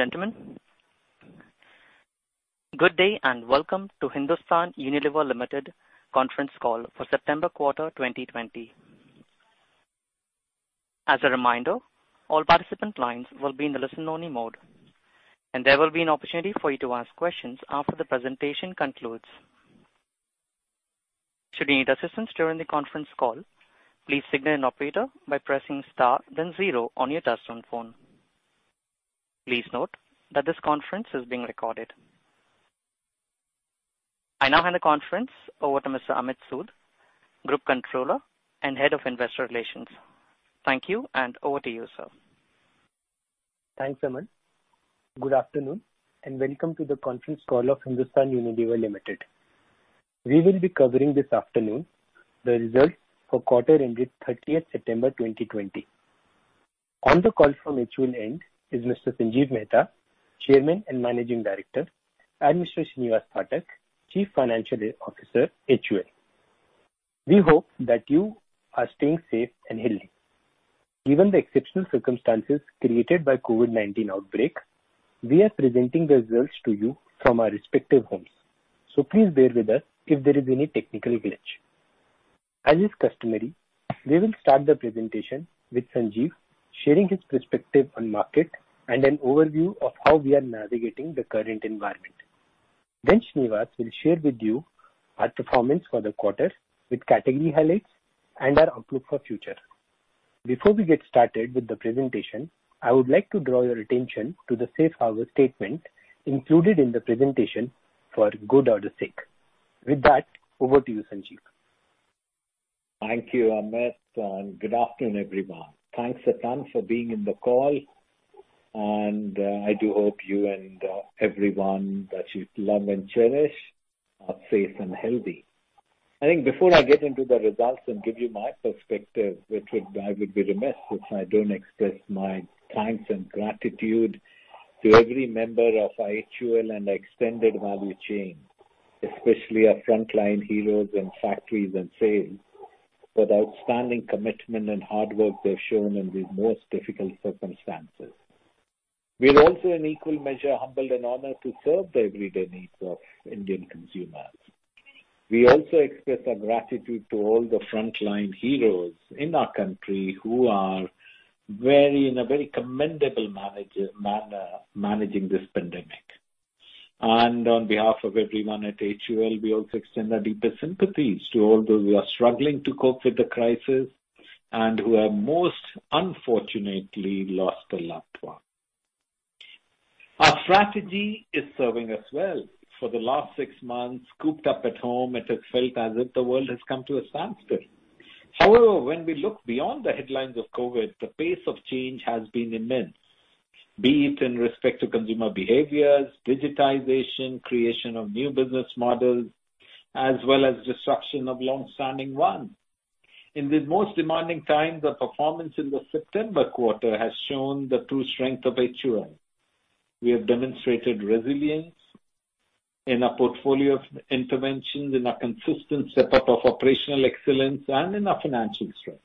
Ladies and gentlemen, good day and welcome to Hindustan Unilever Limited conference call for September quarter 2020. As a reminder, all participant lines will be in the listen-only mode, and there will be an opportunity for you to ask questions after the presentation concludes. Should you need assistance during the conference call, please signal an operator by pressing star, then zero on your touch-tone phone. Please note that this conference is being recorded. I now hand the conference over to Mr. Amit Sood, Group Controller and Head of Investor Relations. Thank you, and over to you, sir. Thanks, Aman. Good afternoon and welcome to the conference call of Hindustan Unilever Limited. We will be covering this afternoon the results for quarter ended 30th September 2020. On the call from HUL end is Mr. Sanjiv Mehta, Chairman and Managing Director, Srinivas Phatak, Chief Financial Officer, HUL. We hope that you are staying safe and healthy. Given the exceptional circumstances created by COVID-19 outbreak, we are presenting the results to you from our respective homes, so please bear with us if there is any technical glitch. As is customary, we will start the presentation with Sanjiv sharing his perspective on market and an overview of how we are navigating the current environment. Then Srinivas will share with you our performance for the quarter with category highlights and our outlook for future. Before we get started with the presentation, I would like to draw your attention to the safe harbor statement included in the presentation for good order's sake. With that, over to you, Sanjiv. Thank you, Amit, and good afternoon, everyone. Thanks a ton for being in the call, and I do hope you and everyone that you love and cherish are safe and healthy. I think before I get into the results and give you my perspective, which I would be remiss if I don't express my thanks and gratitude to every member of HUL and extended value chain, especially our frontline heroes in factories and sales, for the outstanding commitment and hard work they've shown in these most difficult circumstances. We're also in equal measure humbled and honored to serve the everyday needs of Indian consumers. We also express our gratitude to all the frontline heroes in our country who are in a very commendable manner managing this pandemic. On behalf of everyone at HUL, we also extend our deepest sympathies to all those who are struggling to cope with the crisis and who have most unfortunately lost a loved one. Our strategy is serving us well. For the last six months, cooped up at home, it has felt as if the world has come to a standstill. However, when we look beyond the headlines of COVID, the pace of change has been immense, be it in respect to consumer behaviors, digitization, creation of new business models, as well as destruction of long-standing ones. In these most demanding times, our performance in the September quarter has shown the true strength of HUL. We have demonstrated resilience in our portfolio of interventions, in our consistent setup of operational excellence, and in our financial strength.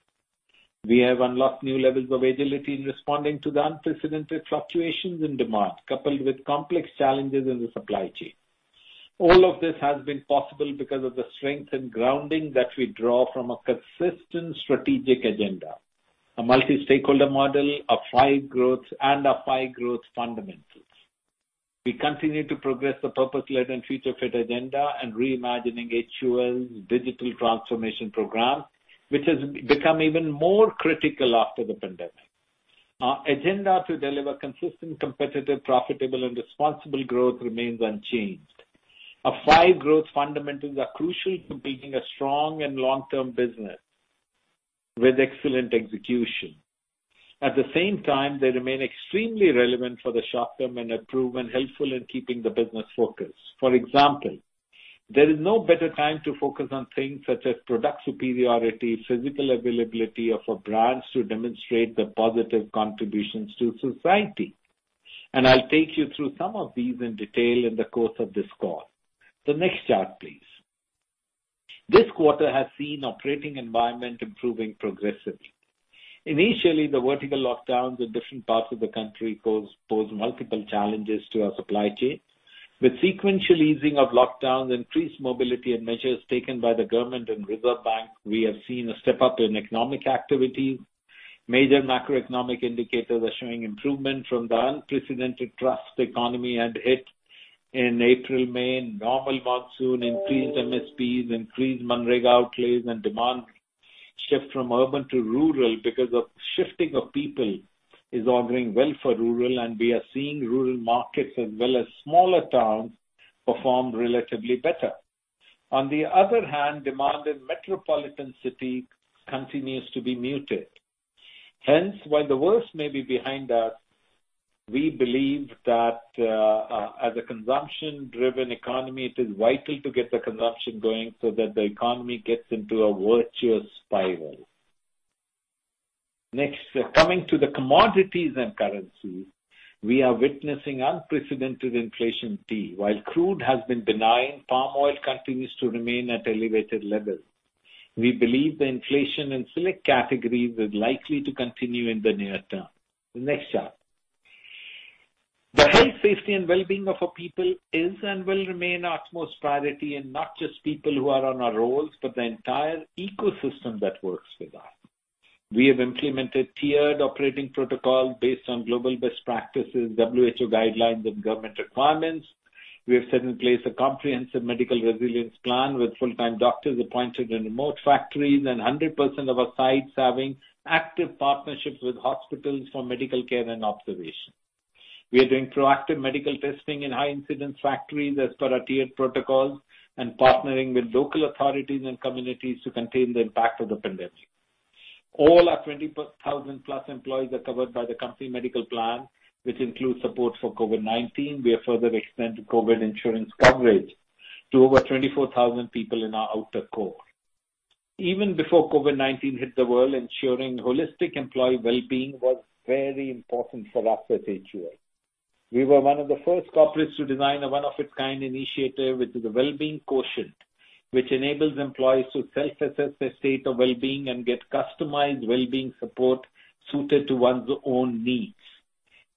We have unlocked new levels of agility in responding to the unprecedented fluctuations in demand, coupled with complex challenges in the supply chain. All of this has been possible because of the strength and grounding that we draw from a consistent strategic agenda, a multi-stakeholder model, five growth fundamentals. We continue to progress the purpose-led and future-fit agenda and reimagining HUL's digital transformation program, which has become even more critical after the pandemic. Our agenda to deliver consistent, competitive, profitable, and responsible growth remains unchanged. Our five growth fundamentals are crucial to building a strong and long-term business with excellent execution. At the same time, they remain extremely relevant for the short term and are proven helpful in keeping the business focused. For example, there is no better time to focus on things such as product superiority, physical availability of our brands to demonstrate the positive contributions to society. And I'll take you through some of these in detail in the course of this call. The next chart, please. This quarter has seen operating environment improving progressively. Initially, the vertical lockdowns in different parts of the country posed multiple challenges to our supply chain. With sequential easing of lockdowns, increased mobility, and measures taken by the government and Reserve Bank, we have seen a step-up in economic activities. Major macroeconomic indicators are showing improvement from the unprecedented trough the economy had hit in April, May. Normal monsoon, increased MSPs, increased MGNREGA outlays, and demand shift from urban to rural because of the shifting of people is ordering well for rural, and we are seeing rural markets as well as smaller towns perform relatively better. On the other hand, demand in metropolitan cities continues to be muted. Hence, while the worst may be behind us, we believe that as a consumption-driven economy, it is vital to get the consumption going so that the economy gets into a virtuous spiral. Next, coming to the commodities and currencies, we are witnessing unprecedented inflation peak. While crude has been benign, palm oil continues to remain at elevated levels. We believe the inflation in select categories is likely to continue in the near term. The next chart. The health, safety, and well-being of our people is and will remain our utmost priority, and not just people who are on our rolls, but the entire ecosystem that works with us. We have implemented tiered operating protocols based on global best practices, WHO guidelines, and government requirements. We have set in place a comprehensive medical resilience plan with full-time doctors appointed in remote factories and 100% of our sites having active partnerships with hospitals for medical care and observation. We are doing proactive medical testing in high-incidence factories as per our tiered protocols and partnering with local authorities and communities to contain the impact of the pandemic. All our 20,000-plus employees are covered by the company medical plan, which includes support for COVID-19. We have further extended COVID insurance coverage to over 24,000 people in our outer core. Even before COVID-19 hit the world, ensuring holistic employee well-being was very important for us at HUL. We were one of the first corporates to design a one-of-a-kind initiative, which is a well-being quotient, which enables employees to self-assess their state of well-being and get customized well-being support suited to one's own needs.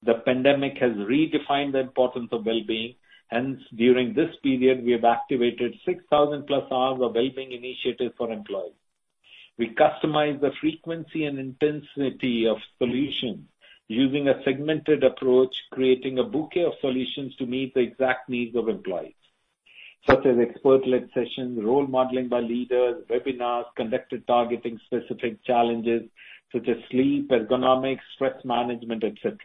The pandemic has redefined the importance of well-being. Hence, during this period, we have activated 6,000-plus hours of well-being initiatives for employees. We customize the frequency and intensity of solutions using a segmented approach, creating a bouquet of solutions to meet the exact needs of employees, such as expert-led sessions, role modeling by leaders, webinars conducted targeting specific challenges such as sleep, ergonomics, stress management, etc.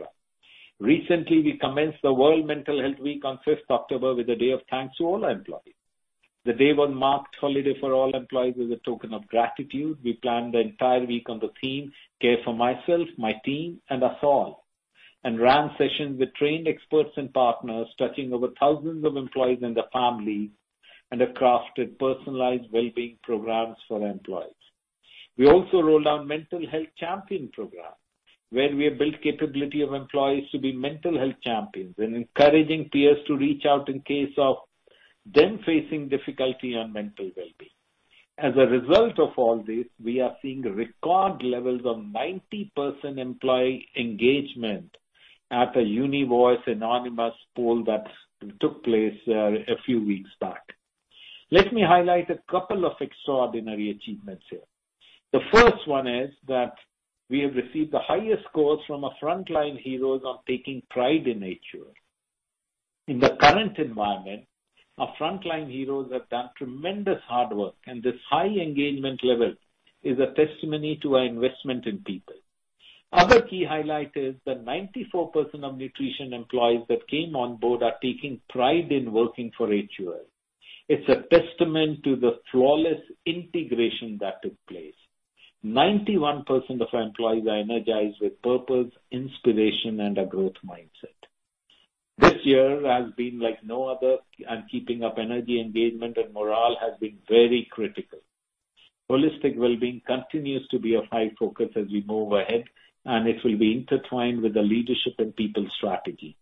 Recently, we commenced the World Mental Health Week on 5th October with a day of thanks to all our employees. The day was marked holiday for all employees as a token of gratitude. We planned the entire week on the theme "Care for myself, my team, and us all," and ran sessions with trained experts and partners touching over thousands of employees and their families, and have crafted personalized well-being programs for employees. We also rolled out a mental health champion program where we have built the capability of employees to be mental health champions and encouraging peers to reach out in case of them facing difficulty on mental well-being. As a result of all this, we are seeing record levels of 90% employee engagement at the UniVoice Anonymous poll that took place a few weeks back. Let me highlight a couple of extraordinary achievements here. The first one is that we have received the highest scores from our frontline heroes on taking pride in Unilever. In the current environment, our frontline heroes have done tremendous hard work, and this high engagement level is a testimony to our investment in people. Other key highlight is that 94% of nutrition employees that came on board are taking pride in working for HUL. It's a testament to the flawless integration that took place. 91% of our employees are energized with purpose, inspiration, and a growth mindset. This year has been like no other, and keeping up energy engagement and morale has been very critical. Holistic well-being continues to be a high focus as we move ahead, and it will be intertwined with the leadership and people strategy.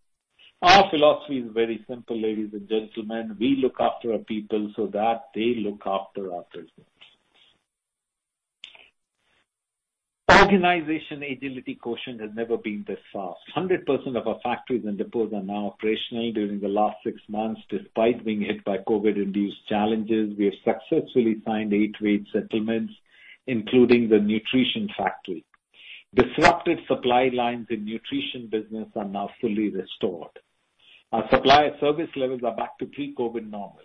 Our philosophy is very simple, ladies and gentlemen. We look after our people so that they look after our business. Organization agility quotient has never been this fast. 100% of our factories and depots are now operational during the last six months despite being hit by COVID-induced challenges. We have successfully signed eight-way settlements, including the nutrition factory. Disrupted supply lines in the nutrition business are now fully restored. Our supply service levels are back to pre-COVID normal.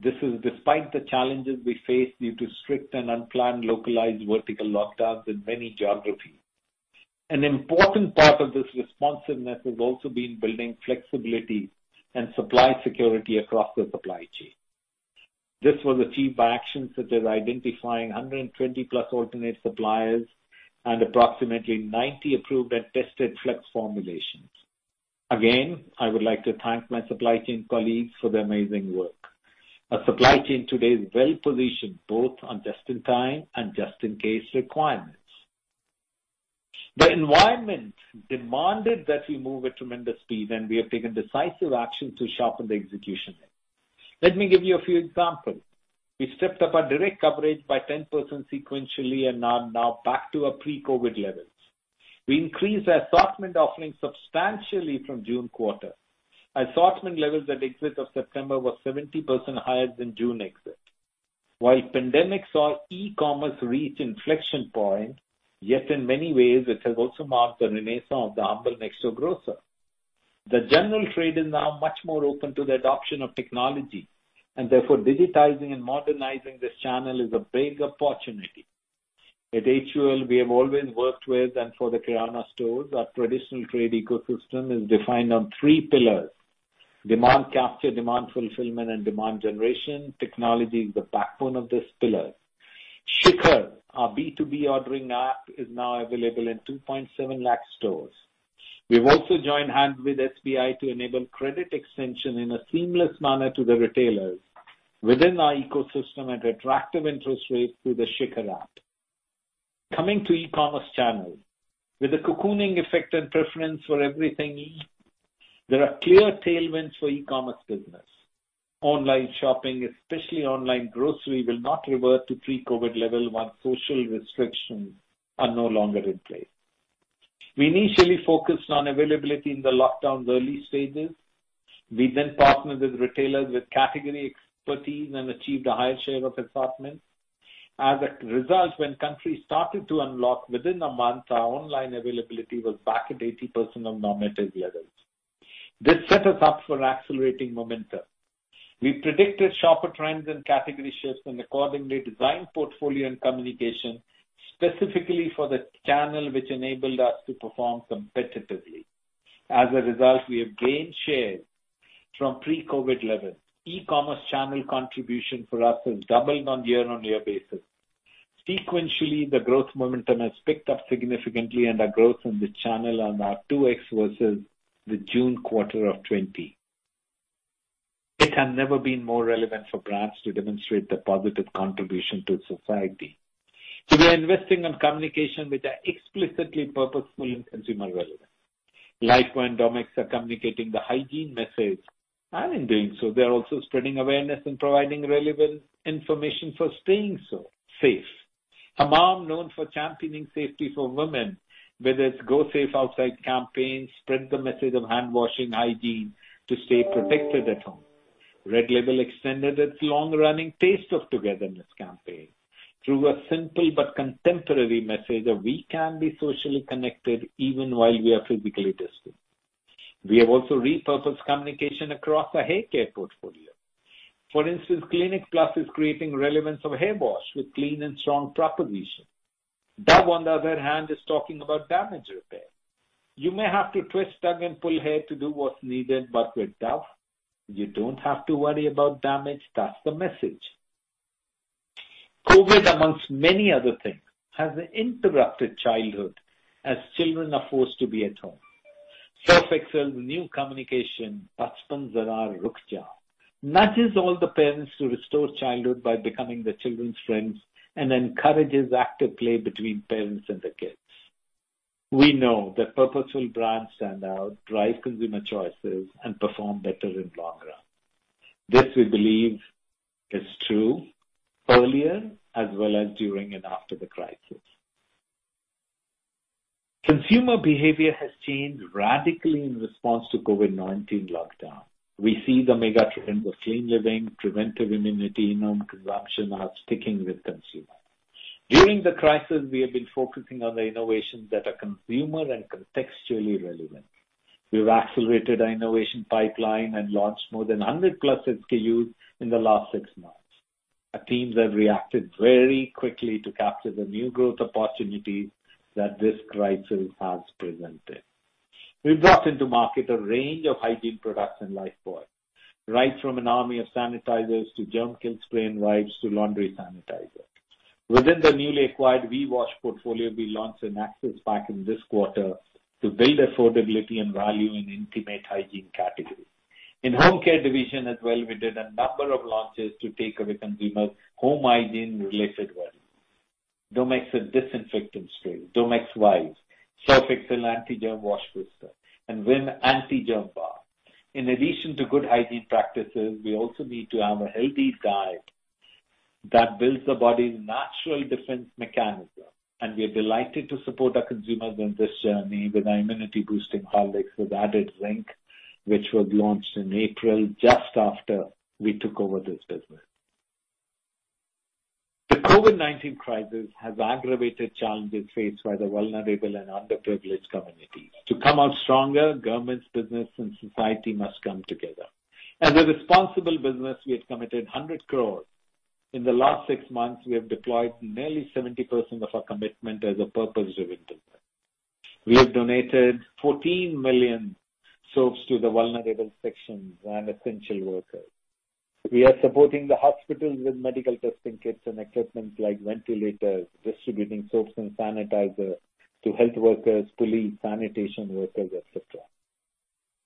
This is despite the challenges we faced due to strict and unplanned localized vertical lockdowns in many geographies. An important part of this responsiveness has also been building flexibility and supply security across the supply chain. This was achieved by actions such as identifying 120-plus alternate suppliers and approximately 90 approved and tested flex formulations. Again, I would like to thank my supply chain colleagues for their amazing work. Our supply chain today is well-positioned both on just-in-time and just-in-case requirements. The environment demanded that we move at tremendous speed, and we have taken decisive actions to sharpen the execution edge. Let me give you a few examples. We stepped up our direct coverage by 10% sequentially and are now back to our pre-COVID levels. We increased our assortment offerings substantially from June quarter. Assortment levels at exit of September were 70% higher than June exit. While pandemic saw e-commerce reach inflection points, yet in many ways, it has also marked the renaissance of the humble next-door grocer. The general trade is now much more open to the adoption of technology, and therefore, digitizing and modernizing this channel is a big opportunity. At HUL, we have always worked with and for the Kirana stores. Our traditional trade ecosystem is defined on three pillars: demand capture, demand fulfillment, and demand generation. Technology is the backbone of these pillars. Shikhar, our B2B ordering app, is now available in 2.7 lakh stores. We've also joined hands with SBI to enable credit extension in a seamless manner to the retailers within our ecosystem at attractive interest rates through the Shikhar app. Coming to e-commerce channels. With the cocooning effect and preference for everything online, there are clear tailwinds for e-commerce business. Online shopping, especially online grocery, will not revert to pre-COVID level once social restrictions are no longer in place. We initially focused on availability in the lockdown's early stages. We then partnered with retailers with category expertise and achieved a higher share of assortment. As a result, when countries started to unlock, within a month, our online availability was back at 80% of normative levels. This set us up for accelerating momentum. We predicted sharper trends and category shifts and accordingly designed portfolio and communication specifically for the channel, which enabled us to perform competitively. As a result, we have gained shares from pre-COVID levels. E-commerce channel contribution for us has doubled on a year-on-year basis. Sequentially, the growth momentum has picked up significantly, and our growth in the channel is now 2x versus the June quarter of 2020. It has never been more relevant for brands to demonstrate their positive contribution to society. So we are investing in communication which are explicitly purposeful in consumer relevance. Lifebuoy and Domex are communicating the hygiene message and in doing so, they're also spreading awareness and providing relevant information for staying safe. Hamam, known for championing safety for women, with its Go Safe Outside campaign, spread the message of handwashing hygiene to stay protected at home. Red Label extended its long-running Taste of Togetherness campaign through a simple but contemporary message of we can be socially connected even while we are physically distant. We have also repurposed communication across our hair care portfolio. For instance, Clinic Plus is creating relevance of hair wash with clean and strong proposition. Dove, on the other hand, is talking about damage repair. You may have to twist, tug, and pull hair to do what's needed, but with Dove, you don't have to worry about damage. That's the message. COVID, among many other things, has interrupted childhood as children are forced to be at home. Surf Excel's new communication, Paso Aao, nudges all the parents to restore childhood by becoming the children's friends and encourages active play between parents and the kids. We know that purposeful brands stand out, drive consumer choices, and perform better in the long run. This, we believe, is true earlier, as well as during and after the crisis. Consumer behavior has changed radically in response to COVID-19 lockdown. We see the mega trends of clean living, preventive immunity, and home consumption are sticking with consumers. During the crisis, we have been focusing on the innovations that are consumer and contextually relevant. We have accelerated our innovation pipeline and launched more than 100-plus SKUs in the last six months. Our teams have reacted very quickly to capture the new growth opportunities that this crisis has presented. We brought into market a range of hygiene products in Lifebuoy, right from an army of sanitizers to germ-kill spray and wipes to laundry sanitizer. Within the newly acquired VWash portfolio, we launched an access pack in this quarter to build affordability and value in intimate hygiene categories. In the home care division as well, we did a number of launches to take away consumers' home hygiene-related worries. Domex had disinfectant sprays, Domex Wipes, Surf Excel Anti-Germ Wash, Wheel, and Vim Anti-Germ Bar. In addition to good hygiene practices, we also need to have a healthy diet that builds the body's natural defense mechanism, and we are delighted to support our consumers in this journey with our immunity-boosting products with added zinc, which was launched in April just after we took over this business. The COVID-19 crisis has aggravated challenges faced by the vulnerable and underprivileged communities. To come out stronger, governments, business, and society must come together. As a responsible business, we have committed 100 crores. In the last six months, we have deployed nearly 70% of our commitment as a purpose-driven business. We have donated 14 million soaps to the vulnerable sections and essential workers. We are supporting the hospitals with medical testing kits and equipment like ventilators, distributing soaps and sanitizers to health workers, police, sanitation workers, etc.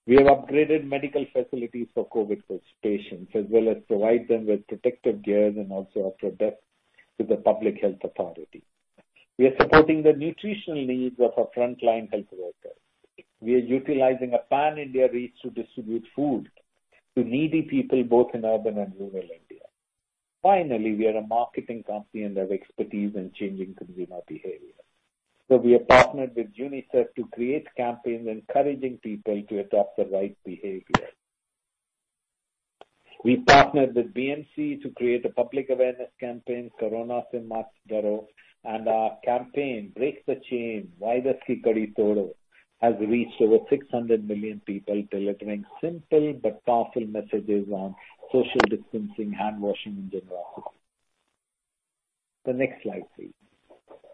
We have upgraded medical facilities for COVID patients as well as provided them with protective gear and also after-death to the public health authority. We are supporting the nutritional needs of our frontline health workers. We are utilizing a pan-India reach to distribute food to needy people both in urban and rural India. Finally, we are a marketing company and have expertise in changing consumer behavior. So we have partnered with UNICEF to create campaigns encouraging people to adopt the right behavior. We partnered with BMC to create a public awareness campaign, Corona Se Daro Na, and our campaign, Break the Chain, Virus Ki Kadi Tod, has reached over 600 million people delivering simple but powerful messages on social distancing, handwashing, and generosity. The next slide, please.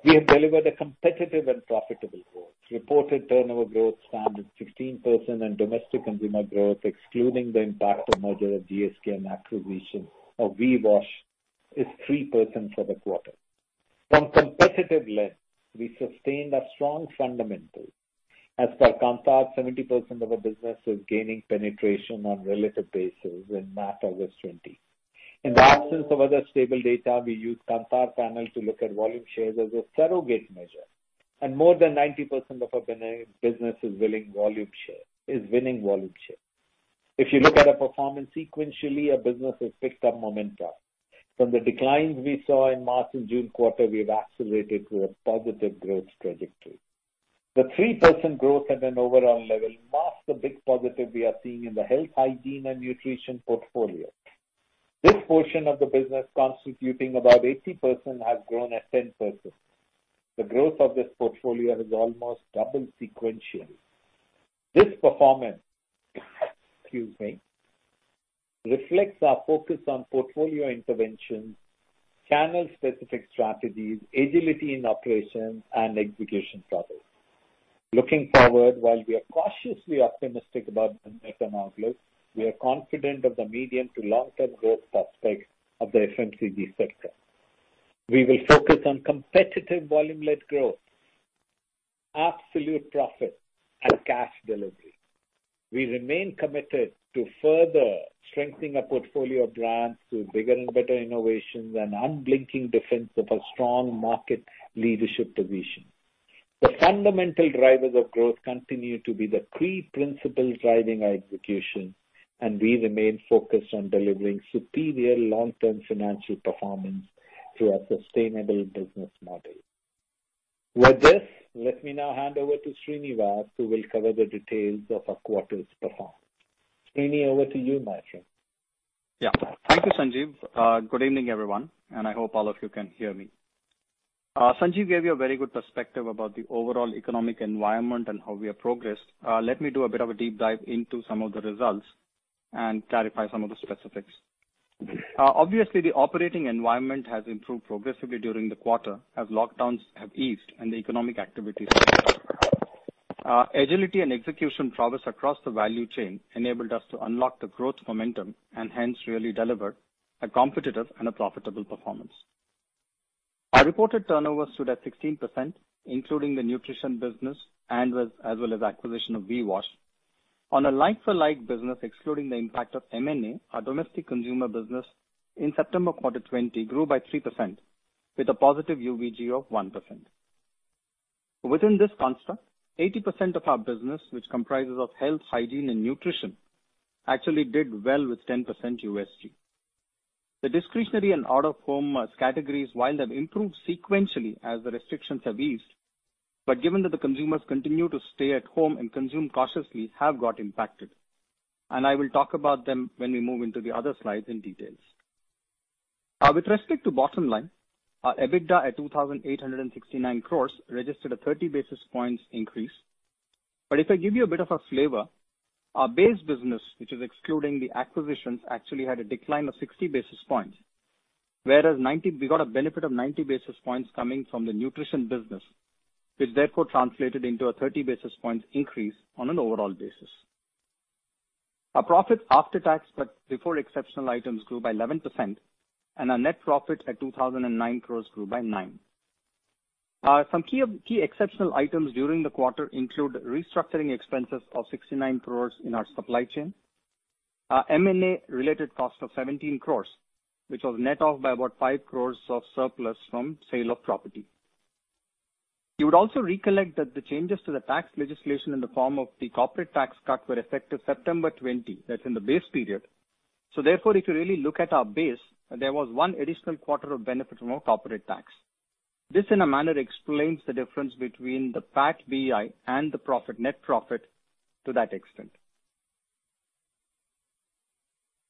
We have delivered a competitive and profitable growth. Reported turnover growth stands at 15%, and domestic consumer growth, excluding the impact of merger of GSK and acquisition of VWash, is 3% for the quarter. From a competitive lens, we sustained our strong fundamentals. As per Kantar, 70% of our business is gaining penetration on a relative basis in March-August 2020. In the absence of other stable data, we used Kantar panel to look at volume shares as a surrogate measure, and more than 90% of our business is winning volume share. If you look at our performance sequentially, our business has picked up momentum. From the declines we saw in March and June quarter, we have accelerated to a positive growth trajectory. The 3% growth at an overall level marks the big positive we are seeing in the health, hygiene, and nutrition portfolio. This portion of the business, constituting about 80%, has grown at 10%. The growth of this portfolio has almost doubled sequentially. This performance reflects our focus on portfolio interventions, channel-specific strategies, agility in operations, and execution problems. Looking forward, while we are cautiously optimistic about the near-term outlook, we are confident of the medium to long-term growth prospects of the FMCG sector. We will focus on competitive volume-led growth, absolute profit, and cash delivery. We remain committed to further strengthening our portfolio of brands through bigger and better innovations and unblinking defense of our strong market leadership position. The fundamental drivers of growth continue to be the three principles driving our execution, and we remain focused on delivering superior long-term financial performance through our sustainable business model. With this, let me now hand over to Srinivas, who will cover the details of our quarter's performance. Srini, over to you, my friend. Thank you, Sanjiv. Good evening, everyone, and I hope all of you can hear me. Sanjiv gave you a very good perspective about the overall economic environment and how we have progressed. Let me do a bit of a deep dive into some of the results and clarify some of the specifics. Obviously, the operating environment has improved progressively during the quarter as lockdowns have eased and the economic activity slowed. Agility and execution progress across the value chain enabled us to unlock the growth momentum and hence really deliver a competitive and a profitable performance. Our reported turnover stood at 16%, including the nutrition business as well as acquisition of VWash. On a like-for-like business, excluding the impact of M&A, our domestic consumer business in September quarter 2020 grew by 3% with a positive UVG of 1%. Within this construct, 80% of our business, which comprises health, hygiene, and nutrition, actually did well with 10% USG. The discretionary and out-of-home categories, while they have improved sequentially as the restrictions have eased, but given that the consumers continue to stay at home and consume cautiously, have got impacted, and I will talk about them when we move into the other slides in detail. With respect to bottom line, our EBITDA at 2,869 crores registered a 30 basis points increase, but if I give you a bit of a flavor, our base business, which is excluding the acquisitions, actually had a decline of 60 basis points, whereas we got a benefit of 90 basis points coming from the nutrition business, which therefore translated into a 30 basis points increase on an overall basis. Our profits after tax but before exceptional items grew by 11%, and our net profit at 2,009 crores grew by 9%. Some key exceptional items during the quarter include restructuring expenses of 69 crores in our supply chain, our M&A-related cost of 17 crores, which was net off by about 5 crores of surplus from sale of property. You would also recollect that the changes to the tax legislation in the form of the corporate tax cut were effective September 2020. That's in the base period. So therefore, if you really look at our base, there was one additional quarter of benefit from our corporate tax. This, in a manner, explains the difference between the PAT BI and the net profit to that extent.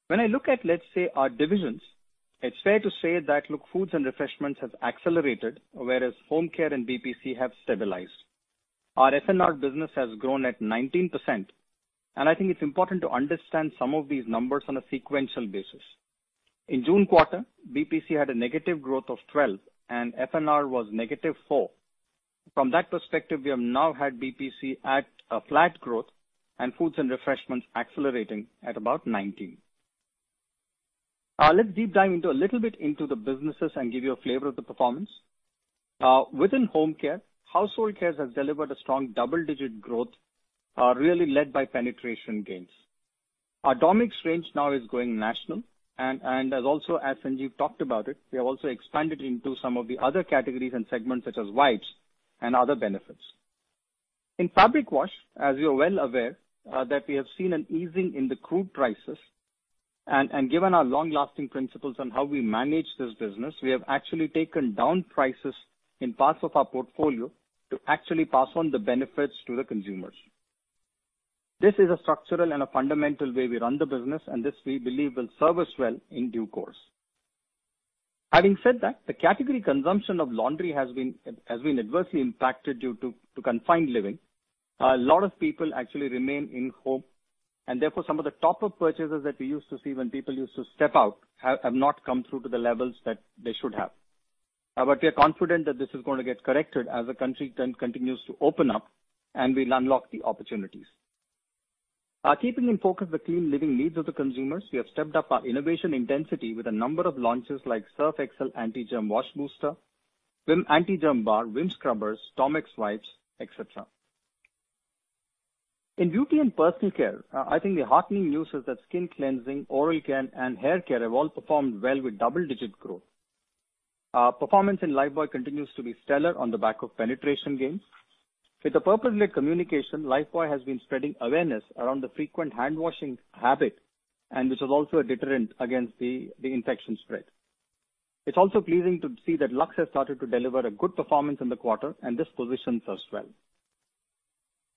When I look at, let's say, our divisions, it's fair to say that, look, Foods & Refreshments have accelerated, whereas home care and BPC have stabilized. Our F&R business has grown at 19%, and I think it's important to understand some of these numbers on a sequential basis. In June quarter, BPC had a negative growth of 12%, and F&R was negative 4%. From that perspective, we have now had BPC at a flat growth, and Foods & Refreshments accelerating at about 19%. Let's deep dive a little bit into the businesses and give you a flavor of the performance. Within home care, household care has delivered a strong double-digit growth, really led by penetration gains. Our Domex range now is going national, and as also Sanjiv talked about it, we have also expanded into some of the other categories and segments such as wipes and other benefits. In fabric wash, as you are well aware, we have seen an easing in the crude prices, and given our long-lasting principles on how we manage this business, we have actually taken down prices in parts of our portfolio to actually pass on the benefits to the consumers. This is a structural and a fundamental way we run the business, and this we believe will serve us well in due course. Having said that, the category consumption of laundry has been adversely impacted due to confined living. A lot of people actually remain in home, and therefore some of the top-up purchases that we used to see when people used to step out have not come through to the levels that they should have. But we are confident that this is going to get corrected as the country continues to open up, and we'll unlock the opportunities. Keeping in focus the clean living needs of the consumers, we have stepped up our innovation intensity with a number of launches like Surf Excel Anti-Germ Wash Booster, Vim Anti-Germ Bar, Vim Scrubbers, Domex Wipes, etc. In beauty and personal care, I think the heartening news is that skin cleansing, oral care, and hair care have all performed well with double-digit growth. Performance in Lifebuoy continues to be stellar on the back of penetration gains. With the purpose-led communication, Lifebuoy has been spreading awareness around the frequent handwashing habit, which is also a deterrent against the infection spread. It's also pleasing to see that Lux has started to deliver a good performance in the quarter, and this positions us well.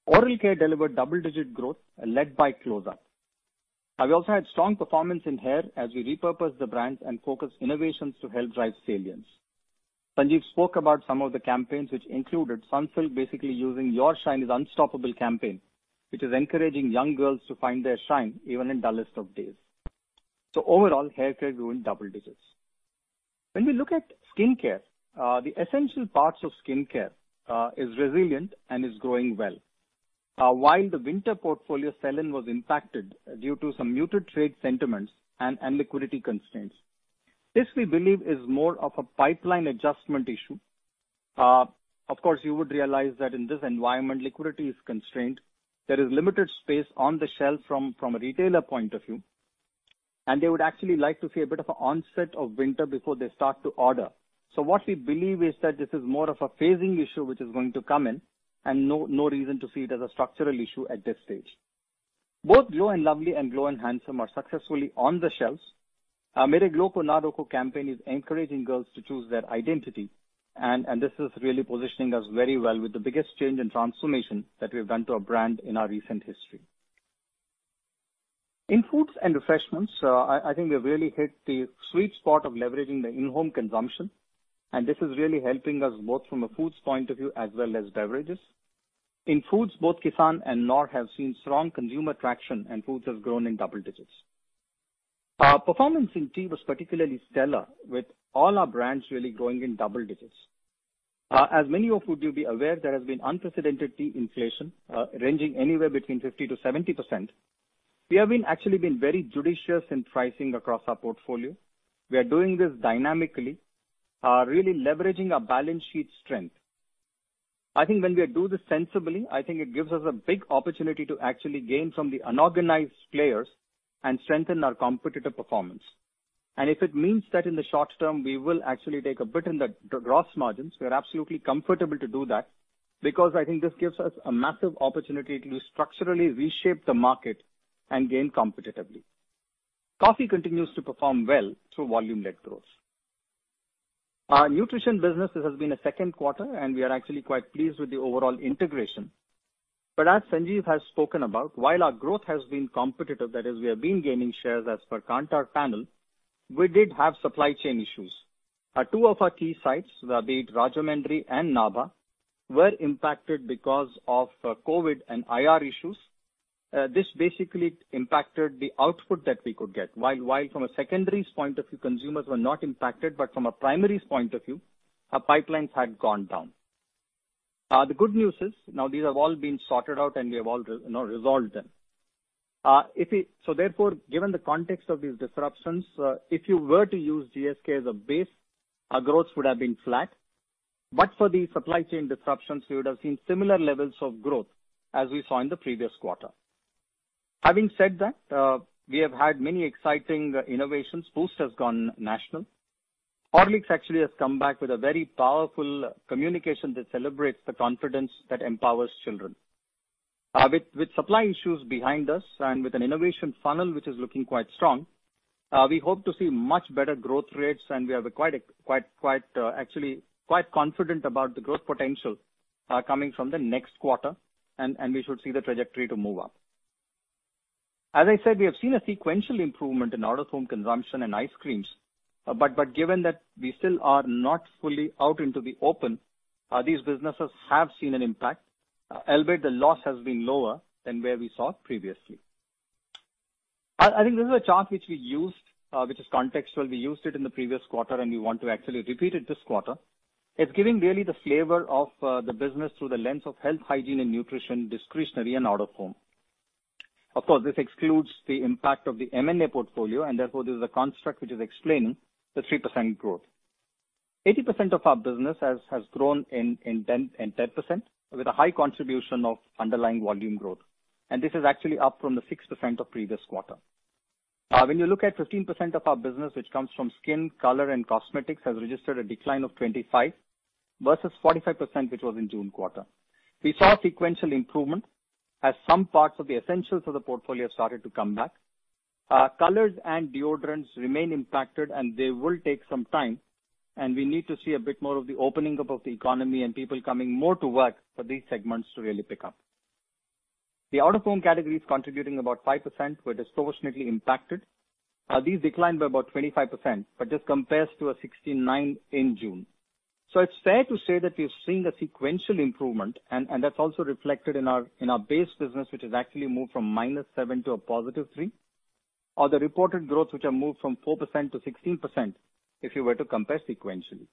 Oral care delivered double-digit growth led by Closeup. We also had strong performance in hair as we repurposed the brands and focused innovations to help drive salience. Sanjiv spoke about some of the campaigns, which included Sunsilk basically using Your Shine as an unstoppable campaign, which is encouraging young girls to find their shine even in dullest of days. So overall, hair care grew in double digits. When we look at skin care, the essential parts of skin care are resilient and are growing well, while the winter portfolio selling was impacted due to some muted trade sentiments and liquidity constraints. This, we believe, is more of a pipeline adjustment issue. Of course, you would realize that in this environment, liquidity is constrained. There is limited space on the shelf from a retailer point of view, and they would actually like to see a bit of an onset of winter before they start to order. So what we believe is that this is more of a phasing issue which is going to come in, and no reason to see it as a structural issue at this stage. Both Glow & Lovely and Glow & Handsome are successfully on the shelves. Mera Glow Kona Roko campaign is encouraging girls to choose their identity, and this is really positioning us very well with the biggest change and transformation that we have done to a brand in our recent history. In Foods & Refreshments, I think we have really hit the sweet spot of leveraging the in-home consumption, and this is really helping us both from a foods point of view as well as beverages. In foods, both Kissan and Knorr have seen strong consumer traction, and foods have grown in double digits. Performance in tea was particularly stellar, with all our brands really growing in double digits. As many of you would be aware, there has been unprecedented tea inflation ranging anywhere between 50%-70%. We have actually been very judicious in pricing across our portfolio. We are doing this dynamically, really leveraging our balance sheet strength. I think when we do this sensibly, I think it gives us a big opportunity to actually gain from the unorganized players and strengthen our competitor performance. And if it means that in the short term, we will actually take a bit in the gross margins, we are absolutely comfortable to do that because I think this gives us a massive opportunity to structurally reshape the market and gain competitively. Coffee continues to perform well through volume-led growth. Our nutrition business has been a second quarter, and we are actually quite pleased with the overall integration. But as Sanjiv has spoken about, while our growth has been competitive, that is, we have been gaining shares as per Kantar panel, we did have supply chain issues. Two of our key sites, Rajahmundry and Nabha, were impacted because of COVID-19 and IR issues. This basically impacted the output that we could get. While from a secondary point of view, consumers were not impacted, but from a primary point of view, our pipelines had gone down. The good news is now these have all been sorted out, and we have all resolved them. So therefore, given the context of these disruptions, if you were to use GSK as a base, our growth would have been flat. But for the supply chain disruptions, we would have seen similar levels of growth as we saw in the previous quarter. Having said that, we have had many exciting innovations. Boost has gone national. Horlicks actually has come back with a very powerful communication that celebrates the confidence that empowers children. With supply issues behind us and with an innovation funnel which is looking quite strong, we hope to see much better growth rates, and we are actually quite confident about the growth potential coming from the next quarter, and we should see the trajectory to move up. As I said, we have seen a sequential improvement in out-of-home consumption and ice creams. But given that we still are not fully out into the open, these businesses have seen an impact, albeit the loss has been lower than where we saw previously. I think this is a chart which we used, which is contextual. We used it in the previous quarter, and we want to actually repeat it this quarter. It's giving really the flavor of the business through the lens of health, hygiene, and nutrition, discretionary, and out-of-home. Of course, this excludes the impact of the M&A portfolio, and therefore this is a construct which is explaining the 3% growth. 80% of our business has grown in 10% with a high contribution of underlying volume growth, and this is actually up from the 6% of previous quarter. When you look at 15% of our business, which comes from skin, color, and cosmetics, has registered a decline of 25% versus 45%, which was in June quarter. We saw sequential improvement as some parts of the essentials of the portfolio started to come back. Colors and deodorants remain impacted, and they will take some time, and we need to see a bit more of the opening up of the economy and people coming more to work for these segments to really pick up. The out-of-home category is contributing about 5%, which is proportionately impacted. These declined by about 25%, but this compares to a 69% in June, so it's fair to say that we are seeing a sequential improvement, and that's also reflected in our base business, which has actually moved from minus 7 to a positive 3, or the reported growth, which has moved from 4% to 16% if you were to compare sequentially.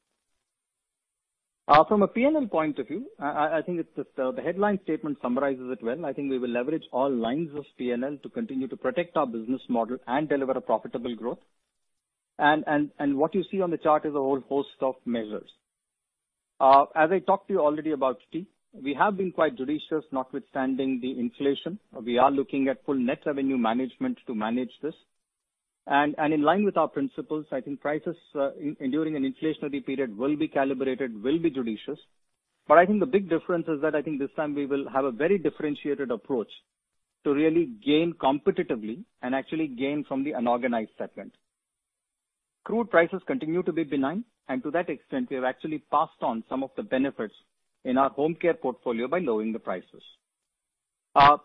From a P&L point of view, I think the headline statement summarizes it well. I think we will leverage all lines of P&L to continue to protect our business model and deliver a profitable growth. And what you see on the chart is a whole host of measures. As I talked to you already about tea, we have been quite judicious, notwithstanding the inflation. We are looking at full net revenue management to manage this. And in line with our principles, I think prices during an inflationary period will be calibrated, will be judicious. But I think the big difference is that I think this time we will have a very differentiated approach to really gain competitively and actually gain from the unorganized segment. Crude prices continue to be benign, and to that extent, we have actually passed on some of the benefits in our home care portfolio by lowering the prices.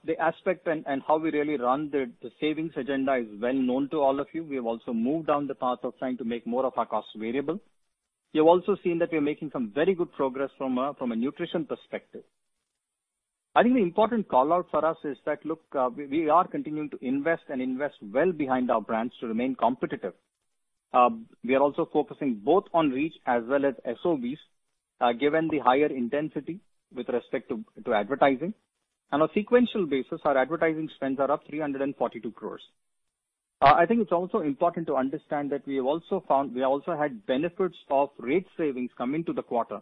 The aspect and how we really run the savings agenda is well known to all of you. We have also moved down the path of trying to make more of our costs variable. You've also seen that we are making some very good progress from a nutrition perspective. I think the important callout for us is that, look, we are continuing to invest and invest well behind our brands to remain competitive. We are also focusing both on reach as well as SOVs, given the higher intensity with respect to advertising. And on a sequential basis, our advertising spends are up 342 crores. I think it's also important to understand that we have also found we also had benefits of rate savings coming to the quarter,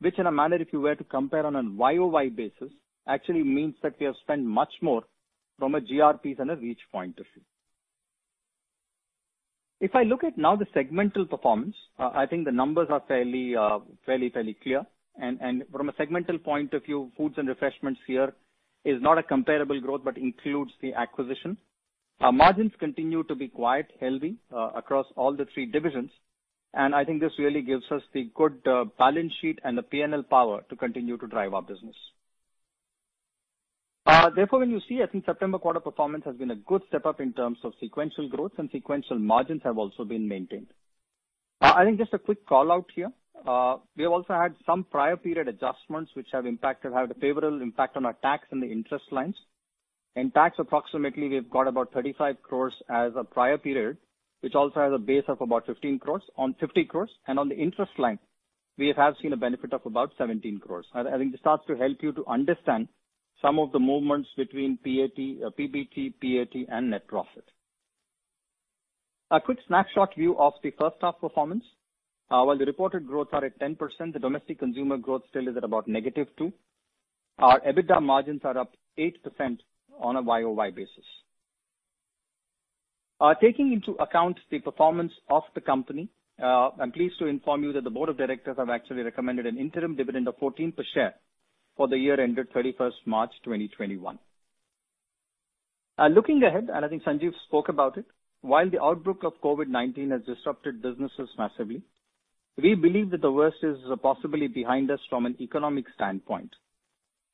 which in a manner, if you were to compare on a YOY basis, actually means that we have spent much more from a GRPs and a reach point of view. If I look at now the segmental performance, I think the numbers are fairly, fairly, fairly clear. And from a segmental point of view, Foods & Refreshments here is not a comparable growth but includes the acquisition. Our margins continue to be quite healthy across all the three divisions, and I think this really gives us the good balance sheet and the P&L power to continue to drive our business. Therefore, when you see, I think September quarter performance has been a good step up in terms of sequential growth, and sequential margins have also been maintained. I think just a quick callout here. We have also had some prior period adjustments, which have had a favorable impact on our tax and the interest lines. In tax, approximately, we've got about 35 crores as a prior period, which also has a base of about 15 crores on 50 crores. And on the interest line, we have seen a benefit of about 17 crores. I think this starts to help you to understand some of the movements between PBT, PAT, and net profit. A quick snapshot view of the first half performance. While the reported growth is at 10%, the domestic consumer growth still is at about negative 2%. Our EBITDA margins are up 8% on a YOY basis. Taking into account the performance of the company, I'm pleased to inform you that the board of directors have actually recommended an interim dividend of 14% per share for the year ended 31st March 2021. Looking ahead, and I think Sanjiv spoke about it, while the outbreak of COVID-19 has disrupted businesses massively, we believe that the worst is possibly behind us from an economic standpoint.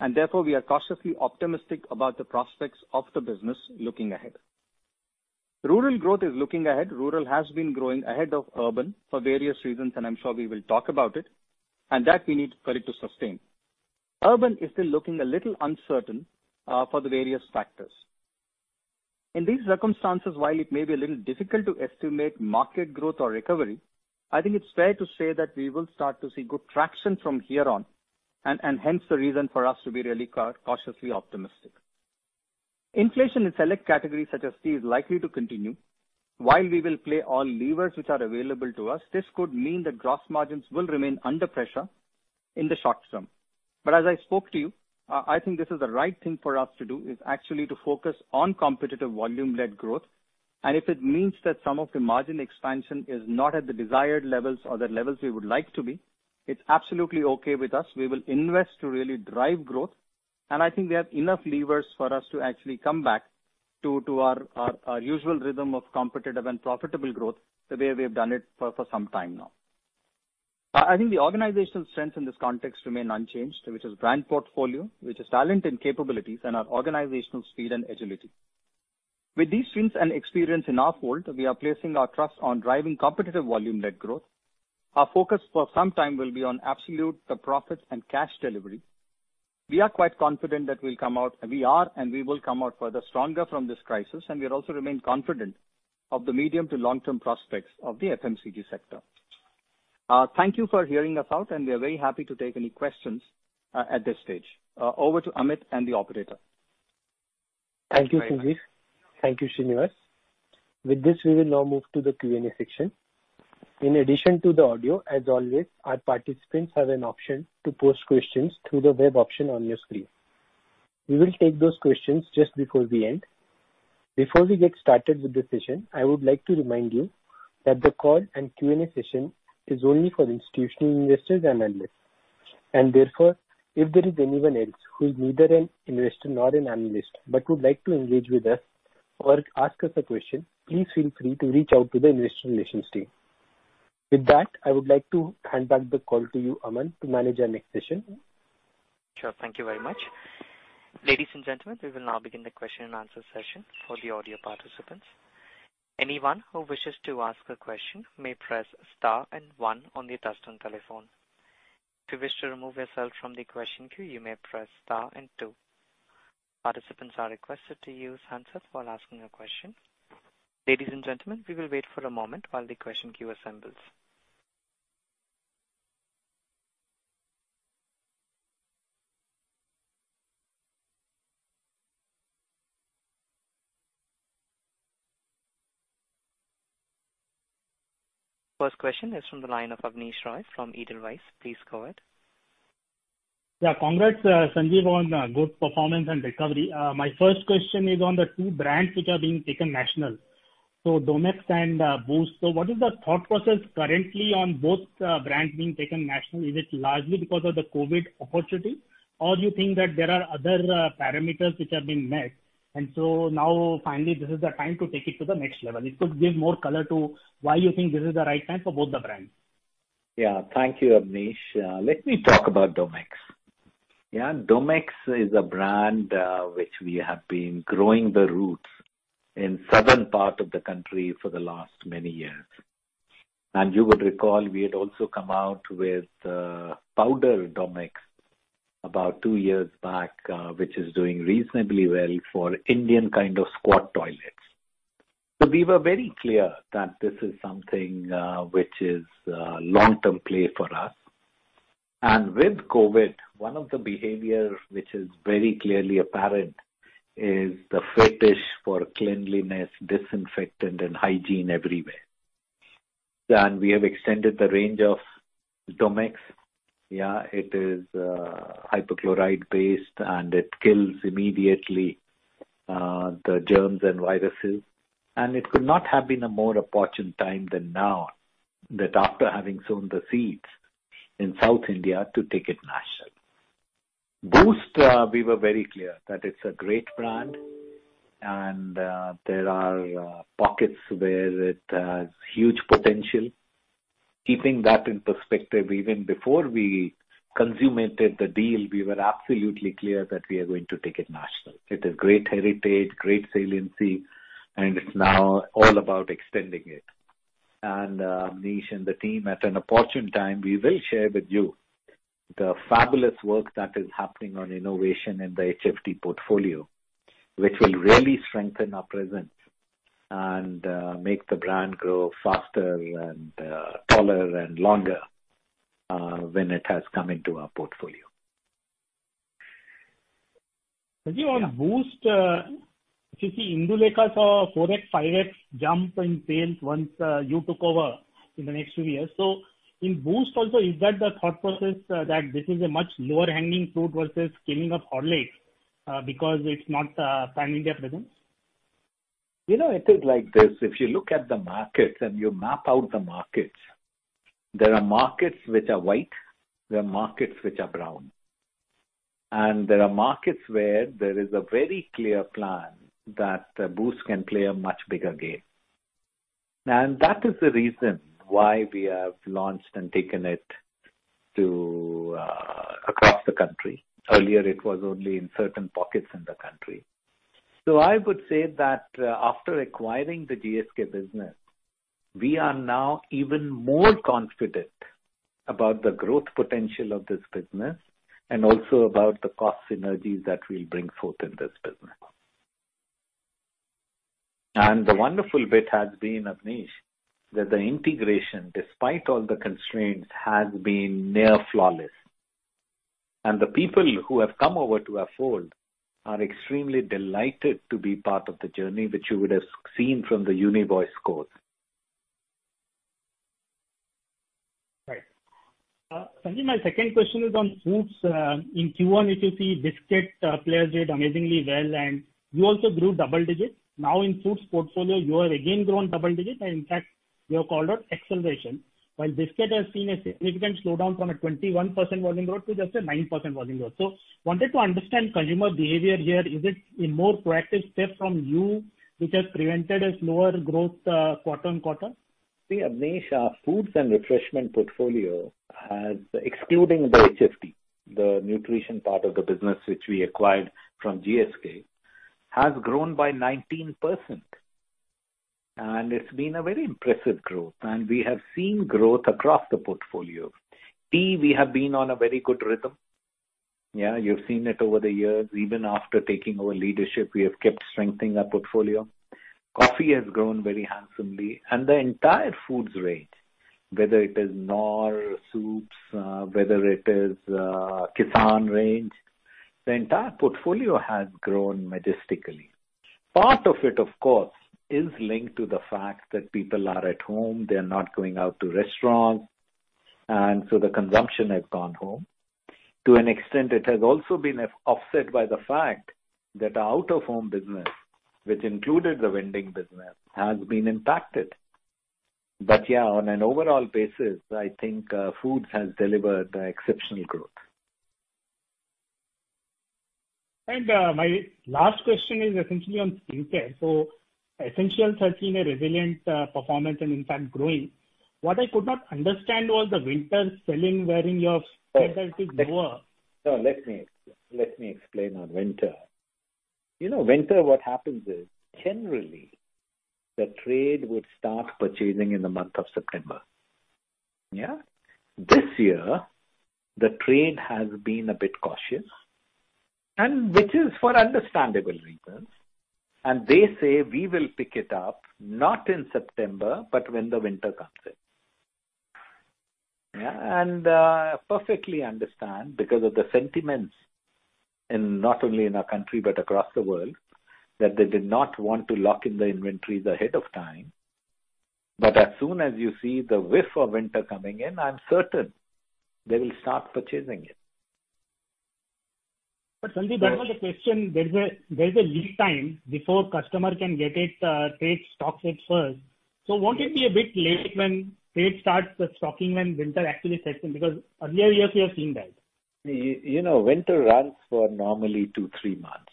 And therefore, we are cautiously optimistic about the prospects of the business looking ahead. Rural growth is looking ahead. Rural has been growing ahead of urban for various reasons, and I'm sure we will talk about it, and that we need for it to sustain. Urban is still looking a little uncertain for the various factors. In these circumstances, while it may be a little difficult to estimate market growth or recovery, I think it's fair to say that we will start to see good traction from here on, and hence the reason for us to be really cautiously optimistic. Inflation in select categories such as tea is likely to continue. While we will play all levers which are available to us, this could mean that gross margins will remain under pressure in the short term. But as I spoke to you, I think this is the right thing for us to do, is actually to focus on competitive volume-led growth. And if it means that some of the margin expansion is not at the desired levels or the levels we would like to be, it's absolutely okay with us. We will invest to really drive growth, and I think we have enough levers for us to actually come back to our usual rhythm of competitive and profitable growth the way we have done it for some time now. I think the organizational strengths in this context remain unchanged, which is brand portfolio, which is talent and capabilities, and our organizational speed and agility. With these strengths and experience in our fold, we are placing our trust on driving competitive volume-led growth. Our focus for some time will be on absolute profits and cash delivery. We are quite confident that we'll come out, and we are, and we will come out further stronger from this crisis, and we'll also remain confident of the medium to long-term prospects of the FMCG sector. Thank you for hearing us out, and we are very happy to take any questions at this stage. Over to Amit and the operator. Thank you, Sanjiv. Thank you, Srinivas. With this, we will now move to the Q&A section. In addition to the audio, as always, our participants have an option to post questions through the web option on your screen. We will take those questions just before we end. Before we get started with the session, I would like to remind you that the call and Q&A session is only for institutional investors and analysts. And therefore, if there is anyone else who is neither an investor nor an analyst but would like to engage with us or ask us a question, please feel free to reach out to the investor relations team. With that, I would like to hand back the call to you, Aman, to manage our next session. Sure. Thank you very much. Ladies and gentlemen, we will now begin the question and answer session for the audio participants. Anyone who wishes to ask a question may press star and one on the touch-tone telephone. If you wish to remove yourself from the question queue, you may press star and two. Participants are requested to use hands up while asking a question. Ladies and gentlemen, we will wait for a moment while the question queue assembles. First question is from the line of Abneesh Roy from Edelweiss. Please go ahead. Yeah, congrats, Sanjiv, on good performance and recovery. My first question is on the two brands which are being taken national. So Domex and Boost. So what is the thought process currently on both brands being taken national? Is it largely because of the COVID-19 opportunity, or do you think that there are other parameters which have been met? And so now finally, this is the time to take it to the next level. It could give more color to why you think this is the right time for both the brands. Yeah, thank you, Abneesh. Let me talk about Domex. Yeah, Domex is a brand which we have been growing the roots in the southern part of the country for the last many years. And you would recall we had also come out with powder Domex about two years back, which is doing reasonably well for Indian kind of squat toilets. So we were very clear that this is something which is a long-term play for us. And with COVID, one of the behaviors which is very clearly apparent is the fetish for cleanliness, disinfectant, and hygiene everywhere. And we have extended the range of Domex. Yeah, it is hypochlorite-based, and it kills immediately the germs and viruses. And it could not have been a more opportune time than now that after having sown the seeds in South India to take it national. Boost, we were very clear that it's a great brand, and there are pockets where it has huge potential. Keeping that in perspective, even before we consummated the deal, we were absolutely clear that we are going to take it national. It is great heritage, great saliency, and it's now all about extending it. Abneesh and the team, at an opportune time, we will share with you the fabulous work that is happening on innovation in the HFD portfolio, which will really strengthen our presence and make the brand grow faster and taller and longer when it has come into our portfolio. Sanjiv, on Boost, you see Horlicks saw 4x, 5x jump in sales once you took over in the next few years. So in Boost also, is that the thought process that this is a much lower hanging fruit versus scaling up Horlicks because it's not a pan-India presence? You know, it is like this. If you look at the markets and you map out the markets, there are markets which are white, there are markets which are brown, and there are markets where there is a very clear plan that Boost can play a much bigger game. And that is the reason why we have launched and taken it across the country. Earlier, it was only in certain pockets in the country. So I would say that after acquiring the GSK business, we are now even more confident about the growth potential of this business and also about the cost synergies that we'll bring forth in this business. And the wonderful bit has been, Abneesh, that the integration, despite all the constraints, has been near flawless. The people who have come over to our fold are extremely delighted to be part of the journey which you would have seen from the Uni Voice scores. Right. Sanjiv, my second question is on Foods. In Q1, if you see, biscuit players did amazingly well, and you also grew double digits. Now in Foods portfolio, you have again grown double digits, and in fact, you have called out acceleration. While biscuit has seen a significant slowdown from a 21% volume growth to just a 9% volume growth. So I wanted to understand consumer behavior here. Is it a more proactive step from you, which has prevented a slower growth quarter on quarter? See, Abneesh, our Foods & Refreshment portfolio has, excluding the HFD, the nutrition part of the business which we acquired from GSK, has grown by 19%. It's been a very impressive growth, and we have seen growth across the portfolio. Tea, we have been on a very good rhythm. Yeah, you've seen it over the years. Even after taking over leadership, we have kept strengthening our portfolio. Coffee has grown very handsomely. The entire foods range, whether it is Knorr, soups, whether it is Kissan range, the entire portfolio has grown majestically. Part of it, of course, is linked to the fact that people are at home. They are not going out to restaurants, and so the consumption has gone home. To an extent, it has also been offset by the fact that our out-of-home business, which included the vending business, has been impacted. Yeah, on an overall basis, I think Foods has delivered exceptional growth. My last question is essentially on skincare. Essentials have seen a resilient performance and, in fact, growing. What I could not understand was the winter selling wherein your percentage is lower. No, let me explain on winter. You know, winter, what happens is generally the trade would start purchasing in the month of September. Yeah? This year, the trade has been a bit cautious, which is for understandable reasons. And they say, "We will pick it up not in September, but when the winter comes in." Yeah? And I perfectly understand because of the sentiments not only in our country but across the world that they did not want to lock in the inventories ahead of time. But as soon as you see the whiff of winter coming in, I'm certain they will start purchasing it. But Sanjiv, I have a question. There's a lead time before customer can get it, trade stocks it first. So won't it be a bit late when trade starts stocking when winter actually sets in? Because earlier years, we have seen that. You know, winter runs for normally two, three months.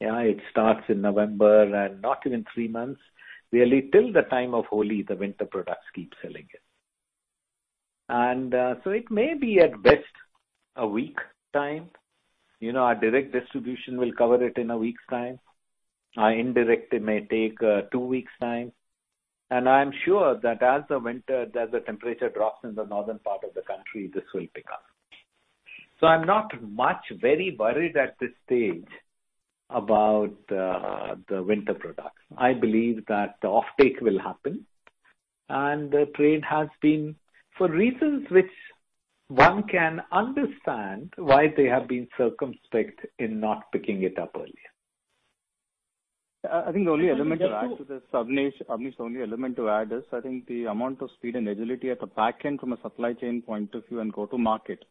Yeah, it starts in November, and not even three months, really, till the time of Holi, the winter products keep selling it. And so it may be at best a week's time. Our direct distribution will cover it in a week's time. Our indirect, it may take two weeks' time. And I'm sure that as the winter, as the temperature drops in the northern part of the country, this will pick up. So I'm not much very worried at this stage about the winter products. I believe that the offtake will happen, and the trade has been for reasons which one can understand why they have been circumspect in not picking it up earlier. I think the only element to add to this, Abneesh, Abneesh, the only element to add is I think the amount of speed and agility at the back end from a supply chain point of view and go-to-market.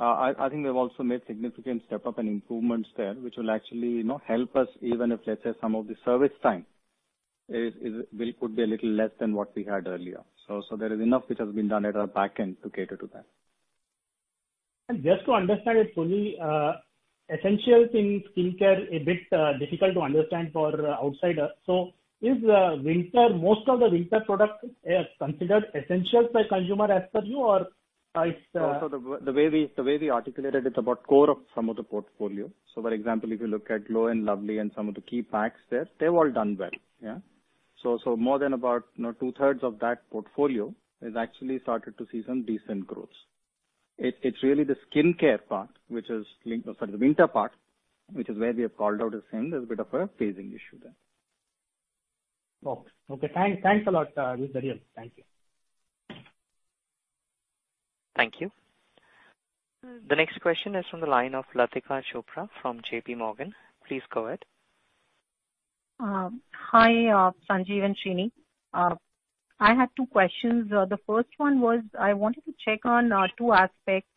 I think we have also made significant step-up and improvements there, which will actually help us even if, let's say, some of the service time could be a little less than what we had earlier. So there is enough which has been done at our back end to cater to that. And just to understand it fully, essentials in skincare is a bit difficult to understand for outsiders. Is winter, most of the winter products considered essentials by consumers as per you, or is it? The way we articulated, it's about core of some of the portfolio. So for example, if you look at Glow & Lovely and some of the key packs there, they've all done well. Yeah? So more than about two-thirds of that portfolio has actually started to see some decent growth. It's really the skincare part, which is linked with, sorry, the winter part, which is where we have called out as saying there's a bit of a phasing issue there. Okay. Thanks a lot, panel. Thank you. Thank you. The next question is from the line of Latika Chopra from JPMorgan. Please go ahead. Hi, Sanjiv and Srini. I had two questions. The first one was I wanted to check on two aspects: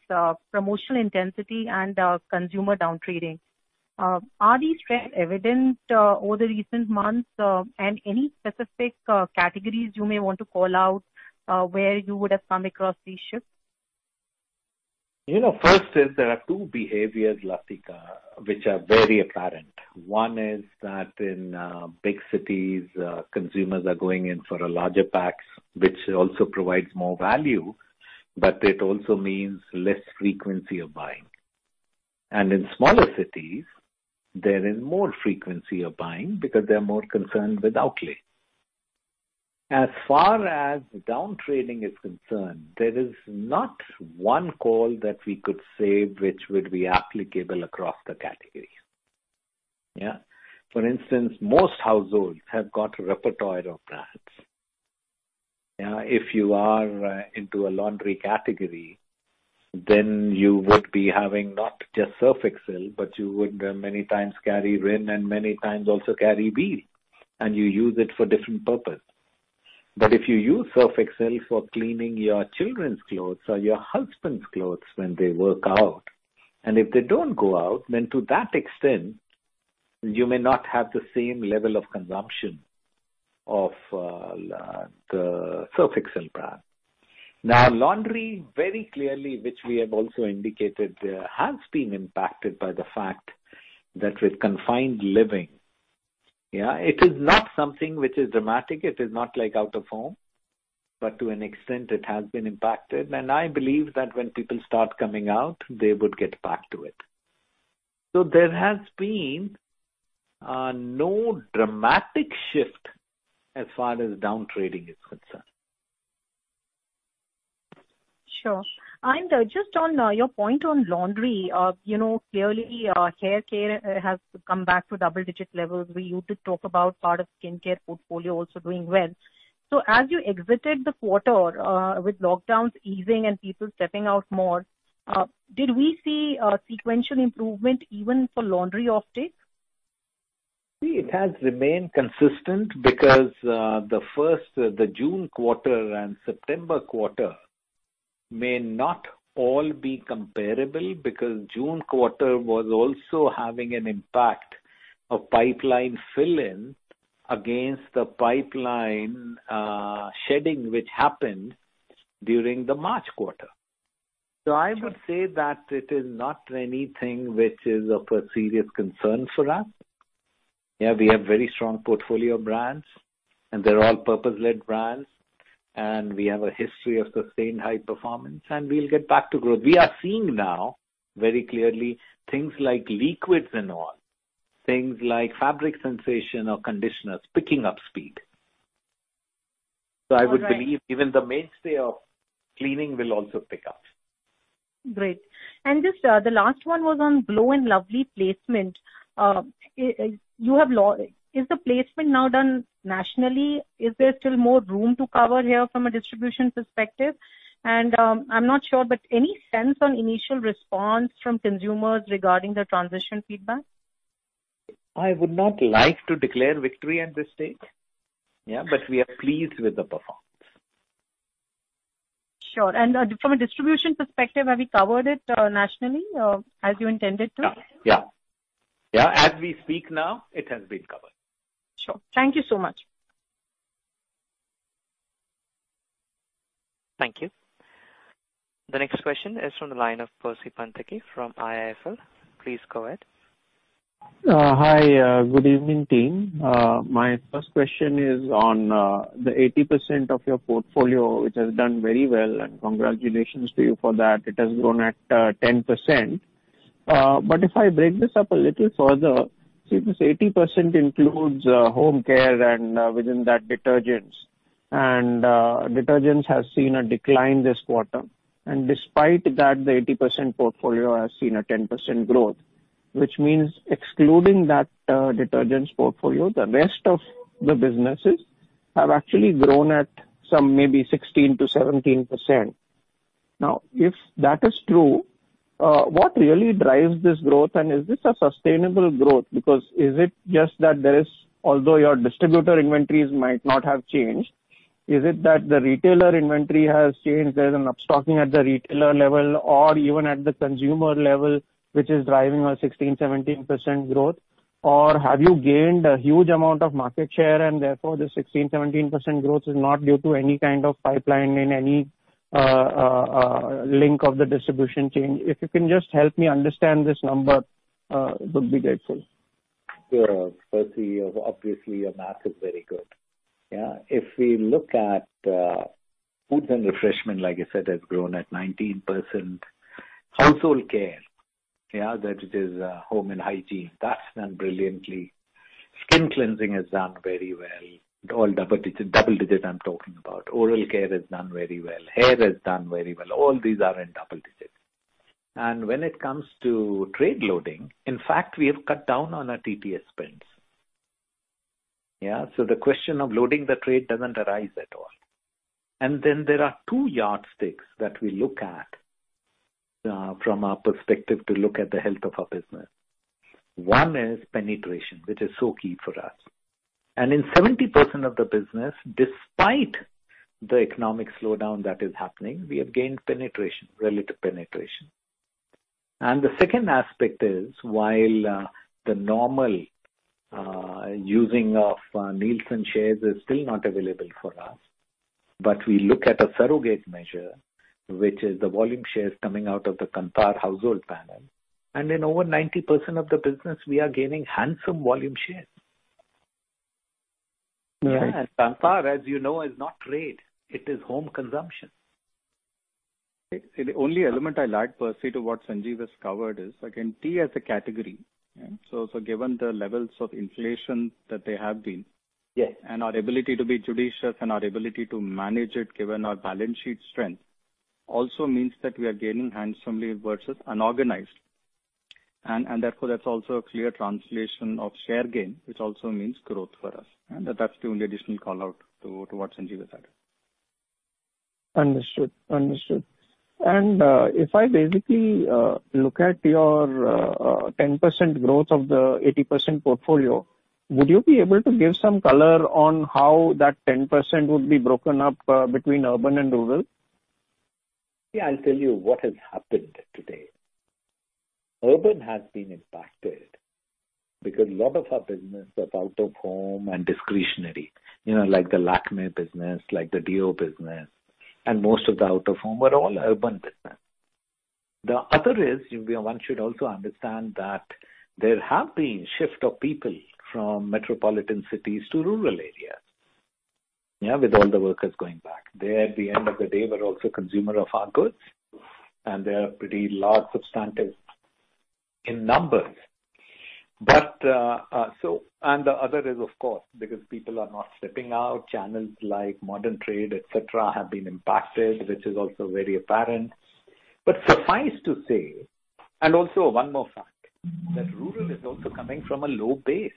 promotional intensity and consumer downtrading. Are these trends evident over the recent months, and any specific categories you may want to call out where you would have come across these shifts? First, there are two behaviors, Latika, which are very apparent. One is that in big cities, consumers are going in for larger packs, which also provides more value, but it also means less frequency of buying. And in smaller cities, there is more frequency of buying because they're more concerned with outlay. As far as downtrading is concerned, there is not one call that we could say which would be applicable across the categories. Yeah? For instance, most households have got a repertoire of brands. Yeah? If you are into a laundry category, then you would be having not just Surf Excel, but you would many times carry Rin and many times also carry Wheel, and you use it for different purposes. But if you use Surf Excel for cleaning your children's clothes or your husband's clothes when they work out, and if they don't go out, then to that extent, you may not have the same level of consumption of the Surf Excel brand. Now, laundry, very clearly, which we have also indicated, has been impacted by the fact that with confined living, yeah, it is not something which is dramatic. It is not like out of home, but to an extent, it has been impacted. And I believe that when people start coming out, they would get back to it. So there has been no dramatic shift as far as downtrading is concerned. Sure. And just on your point on laundry, clearly, hair care has come back to double-digit levels. We used to talk about part of skincare portfolio also doing well. So as you exited the quarter with lockdowns easing and people stepping out more, did we see a sequential improvement even for laundry offtake? It has remained consistent because the first, the June quarter and September quarter may not all be comparable because June quarter was also having an impact of pipeline fill-in against the pipeline shedding which happened during the March quarter. So I would say that it is not anything which is of a serious concern for us. Yeah? We have very strong portfolio brands, and they're all purpose-led brands, and we have a history of sustained high performance, and we'll get back to growth. We are seeing now very clearly things like liquids and all, things like fabric softeners or conditioners picking up speed. So I would believe even the mainstay of cleaning will also pick up. Great. Just the last one was on Glow & Lovely placement. Is the placement now done nationally? Is there still more room to cover here from a distribution perspective? And I'm not sure, but any sense on initial response from consumers regarding the transition feedback? I would not like to declare victory at this stage. Yeah? But we are pleased with the performance. Sure. And from a distribution perspective, have we covered it nationally as you intended to? Yeah. Yeah. As we speak now, it has been covered. Sure. Thank you so much. Thank you. The next question is from the line of Percy Panthaki from IIFL. Please go ahead. Hi. Good evening, team. My first question is on the 80% of your portfolio, which has done very well, and congratulations to you for that. It has grown at 10%. But if I break this up a little further, see, this 80% includes home care and within that, detergents. And detergents have seen a decline this quarter. And despite that, the 80% portfolio has seen a 10% growth, which means excluding that detergents portfolio, the rest of the businesses have actually grown at some maybe 16%-17%. Now, if that is true, what really drives this growth, and is this a sustainable growth? Because is it just that there is, although your distributor inventories might not have changed, is it that the retailer inventory has changed? There's an upstocking at the retailer level or even at the consumer level, which is driving a 16%-17% growth? Or have you gained a huge amount of market share, and therefore the 16%-17% growth is not due to any kind of pipeline in any link of the distribution chain? If you can just help me understand this number, I would be grateful. Sure. Percy, obviously your math is very good. Yeah? If we look at Foods & Refreshment, like you said, has grown at 19%. Household care, yeah, that is home and hygiene, that's done brilliantly. Skin cleansing has done very well. All double-digit I'm talking about. Oral care has done very well. Hair has done very well. All these are in double digits. And when it comes to trade loading, in fact, we have cut down on our TTS spends. Yeah? So the question of loading the trade doesn't arise at all. And then there are two yardsticks that we look at from our perspective to look at the health of our business. One is penetration, which is so key for us. In 70% of the business, despite the economic slowdown that is happening, we have gained penetration, relative penetration. The second aspect is while the normal using of Nielsen shares is still not available for us, but we look at a surrogate measure, which is the volume shares coming out of the Kantar household panel. In over 90% of the business, we are gaining handsome volume shares. Yeah? Kantar, as you know, is not trade. It is home consumption. The only element I'll add, Percy, to what Sanjiv has covered is, again, tea as a category. Given the levels of inflation that they have been and our ability to be judicious and our ability to manage it given our balance sheet strength also means that we are gaining handsomely versus unorganized. And therefore, that's also a clear translation of share gain, which also means growth for us. And that's the only additional call out to what Sanjiv has added. Understood. Understood. And if I basically look at your 10% growth of the 80% portfolio, would you be able to give some color on how that 10% would be broken up between urban and rural? Yeah. I'll tell you what has happened today. Urban has been impacted because a lot of our business of out-of-home and discretionary, like the Lakme business, like the Dove business, and most of the out-of-home were all urban business. The other is one should also understand that there have been shifts of people from metropolitan cities to rural areas, yeah, with all the workers going back. They, at the end of the day, were also consumers of our goods, and they are pretty large substantive in numbers. But the other is, of course, because people are not stepping out, channels like Modern Trade, etc., have been impacted, which is also very apparent. But suffice to say, and also one more fact, that rural is also coming from a low base.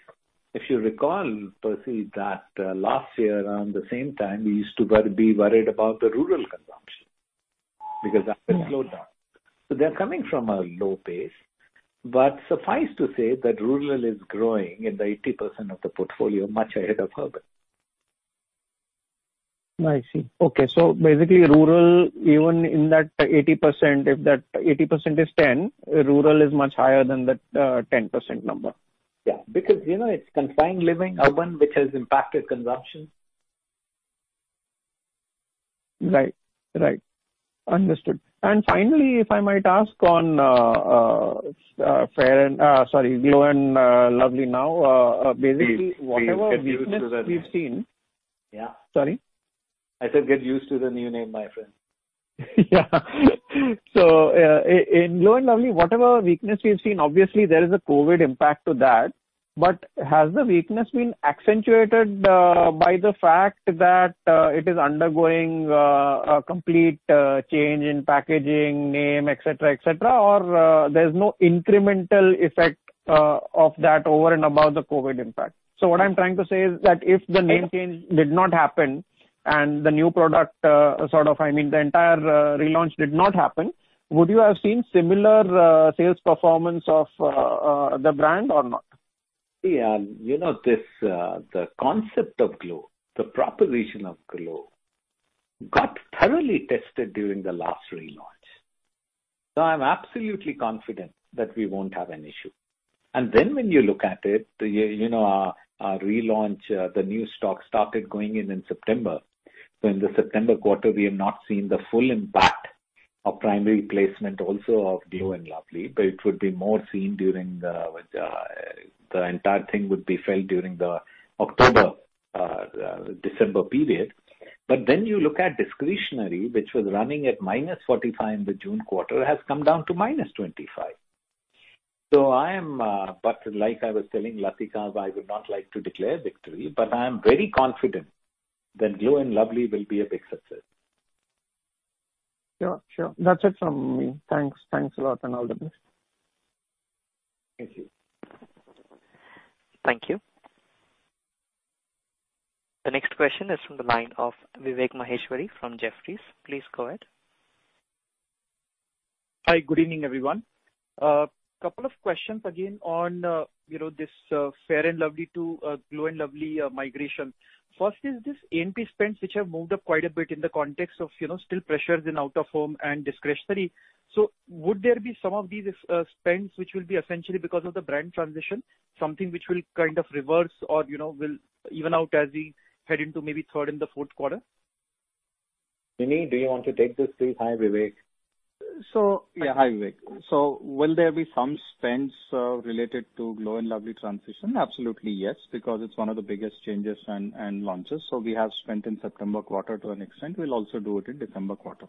If you recall, Percy, that last year around the same time, we used to be worried about the rural consumption because that was slowed down. So they're coming from a low base, but suffice to say that rural is growing in the 80% of the portfolio much ahead of urban. I see. Okay. So basically, rural, even in that 80%, if that 80% is 10, rural is much higher than that 10% number. Yeah. Because it's confined living, urban, which has impacted consumption. Right. Right. Understood. And finally, if I might ask on Fair and, sorry, Glow and Lovely now, basically, whatever weaknesses we've seen, yeah? Sorry? I said get used to the new name, my friend. Yeah. So in Glow & Lovely, whatever weakness we've seen, obviously, there is a COVID impact to that. But has the weakness been accentuated by the fact that it is undergoing a complete change in packaging, name, etc., etc., or there's no incremental effect of that over and above the COVID impact? So what I'm trying to say is that if the name change did not happen and the new product sort of, I mean, the entire relaunch did not happen, would you have seen similar sales performance of the brand or not? See, the concept of Glow, the proposition of Glow, got thoroughly tested during the last relaunch. So I'm absolutely confident that we won't have an issue. And then when you look at it, our relaunch, the new stock started going in in September. So in the September quarter, we have not seen the full impact of primary placement also of Glow & Lovely, but it would be more seen during the entire thing would be felt during the October-December period. But then you look at discretionary, which was running at -45% in the June quarter, has come down to -25%. So I am, but like I was telling Latika, I would not like to declare victory, but I am very confident that Glow & Lovely will be a big success. Sure. Sure. That's it from me. Thanks. Thanks a lot and all the best. Thank you. Thank you. The next question is from the line of Vivek Maheshwari from Jefferies. Please go ahead. Hi. Good evening, everyone. A couple of questions again on this Fair & Lovely to Glow & Lovely migration. First is this A&P spends, which have moved up quite a bit in the context of still pressures in out-of-home and discretionary. So would there be some of these spends which will be essentially because of the brand transition, something which will kind of reverse or will even out as we head into maybe third and the fourth quarter? Srini, do you want to take this, please? Hi, Vivek. So yeah, hi, Vivek. So will there be some spends related to Glow & Lovely transition? Absolutely, yes, because it is one of the biggest changes and launches. So we have spent in September quarter to an extent. We will also do it in December quarter.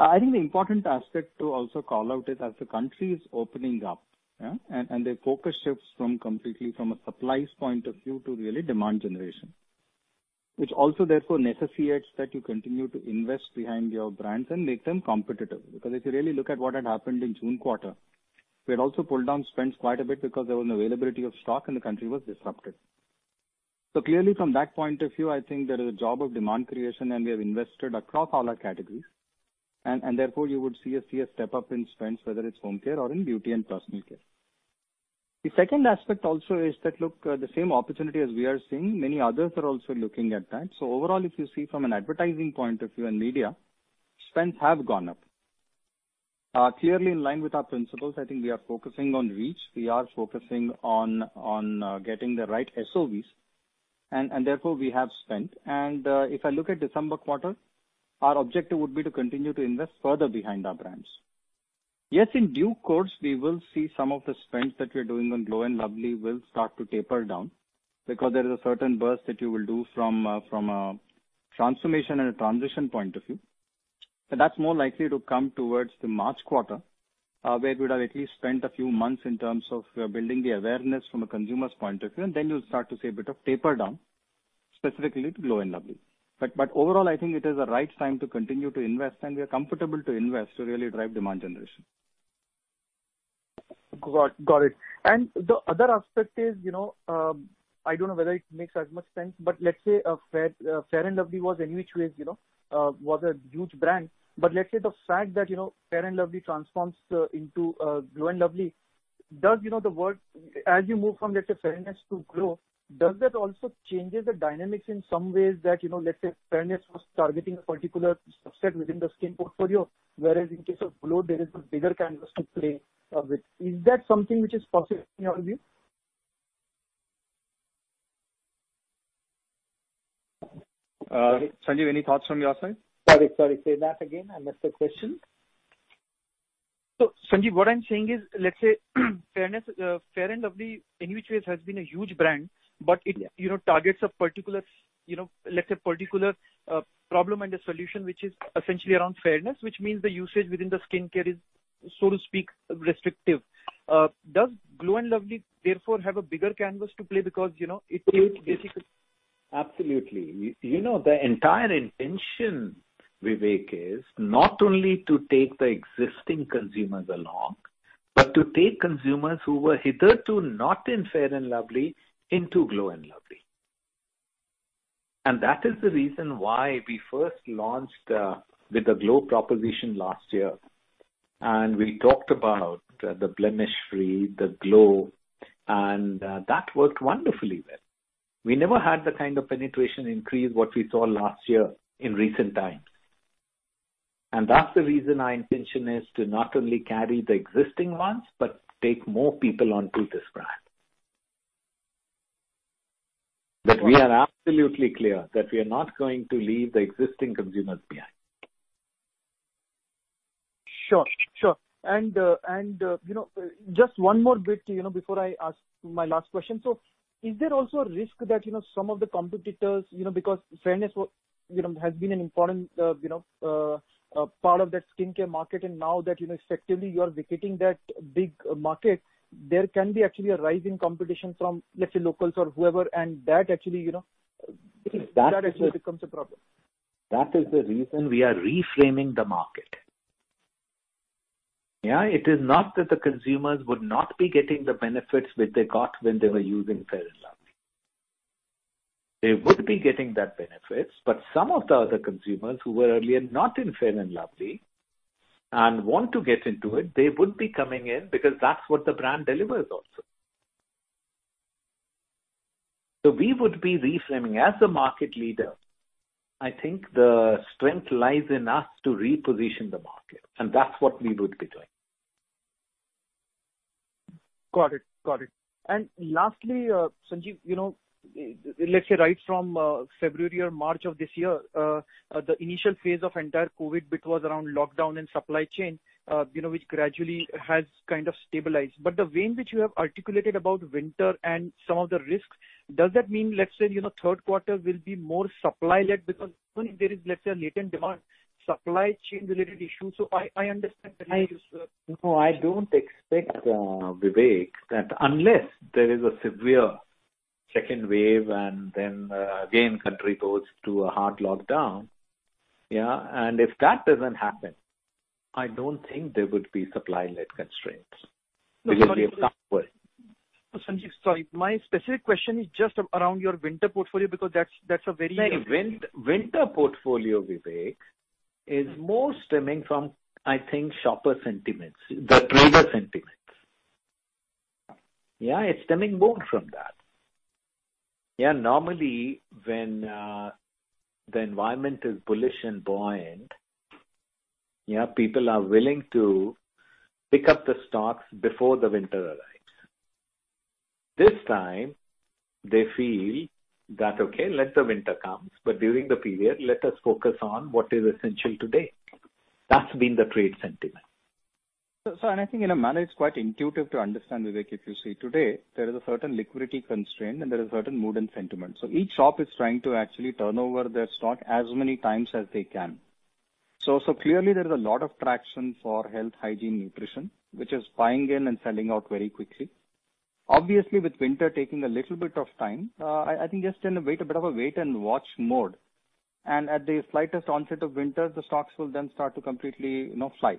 I think the important aspect to also call out is as the country is opening up, yeah, and the focus shifts completely from a supplies point of view to really demand generation, which also therefore necessitates that you continue to invest behind your brands and make them competitive. Because if you really look at what had happened in June quarter, we had also pulled down spends quite a bit because there was an availability of stock and the country was disrupted. So clearly, from that point of view, I think there is a job of demand creation, and we have invested across all our categories. And therefore, you would see a step up in spends, whether it's home care or in beauty and personal care. The second aspect also is that, look, the same opportunity as we are seeing, many others are also looking at that. So overall, if you see from an advertising point of view and media, spends have gone up. Clearly, in line with our principles, I think we are focusing on reach. We are focusing on getting the right SOVs. And therefore, we have spent. And if I look at December quarter, our objective would be to continue to invest further behind our brands. Yes, in due course, we will see some of the spends that we are doing on Glow & Lovely will start to taper down because there is a certain burst that you will do from a transformation and a transition point of view. But that's more likely to come towards the March quarter, where we would have at least spent a few months in terms of building the awareness from a consumer's point of view, and then you'll start to see a bit of taper down, specifically to Glow & Lovely. But overall, I think it is the right time to continue to invest, and we are comfortable to invest to really drive demand generation. Got it. And the other aspect is, I don't know whether it makes as much sense, but let's say Fair & Lovely was, in which ways, was a huge brand. But let's say the fact that Fair & Lovely transforms into Glow & Lovely, does the word, as you move from, let's say, fairness to Glow, does that also change the dynamics in some ways that, let's say, fairness was targeting a particular subset within the skin portfolio, whereas in case of Glow, there is a bigger canvas to play with. Is that something which is possible in your view? Sanjiv, any thoughts from your side? Sorry, sorry. Say that again. I missed the question. So Sanjiv, what I'm saying is, let's say, Fair & Lovely, in which ways, has been a huge brand, but it targets a particular, let's say, particular problem and a solution, which is essentially around fairness, which means the usage within the skincare is, so to speak, restrictive. Does Glow & Lovely, therefore, have a bigger canvas to play because it takes basically? Absolutely. The entire intention, Vivek, is not only to take the existing consumers along, but to take consumers who were hitherto not in Fair & Lovely into Glow & Lovely. And that is the reason why we first launched with the Glow proposition last year, and we talked about the blemish-free, the Glow, and that worked wonderfully well. We never had the kind of penetration increase what we saw last year in recent times. And that's the reason our intention is to not only carry the existing ones, but take more people onto this brand. But we are absolutely clear that we are not going to leave the existing consumers behind. Sure. Sure. And just one more bit before I ask my last question. So is there also a risk that some of the competitors, because fairness has been an important part of that skincare market, and now that effectively you are vacating that big market, there can be actually a rising competition from, let's say, locals or whoever, and that actually becomes a problem? That is the reason we are reframing the market. Yeah? It is not that the consumers would not be getting the benefits that they got when they were using Fair & Lovely. They would be getting that benefits, but some of the other consumers who were earlier not in Fair & Lovely and want to get into it, they wouldn't be coming in because that's what the brand delivers also. So we would be reframing as a market leader. I think the strength lies in us to reposition the market, and that's what we would be doing. Got it. And lastly, Sanjiv, let's say right from February or March of this year, the initial phase of entire COVID bit was around lockdown and supply chain, which gradually has kind of stabilized. But the way in which you have articulated about winter and some of the risks, does that mean, let's say, third quarter will be more supply-led because there is, let's say, a latent demand, supply chain-related issues? So I understand that you use the. No, I don't expect, Vivek, that unless there is a severe second wave and then again country goes to a hard lockdown, yeah, and if that doesn't happen, I don't think there would be supply-led constraints because we have suffered. Sanjiv, sorry, my specific question is just around your winter portfolio because that's a very. Well, winter portfolio, Vivek, is more stemming from, I think, shopper sentiments, the trader sentiments. Yeah, it's stemming more from that. Yeah, normally when the environment is bullish and buoyant, yeah, people are willing to pick up the stocks before the winter arrives. This time, they feel that, okay, let the winter come, but during the period, let us focus on what is essential today. That's been the trade sentiment. So, and I think in a manner, it's quite intuitive to understand, Vivek, if you see today, there is a certain liquidity constraint and there is a certain mood and sentiment. So each shop is trying to actually turn over their stock as many times as they can. So clearly, there is a lot of traction for health, hygiene, nutrition, which is buying in and selling out very quickly. Obviously, with winter taking a little bit of time, I think just in a bit of a wait-and-watch mode, and at the slightest onset of winter, the stocks will then start to completely fly.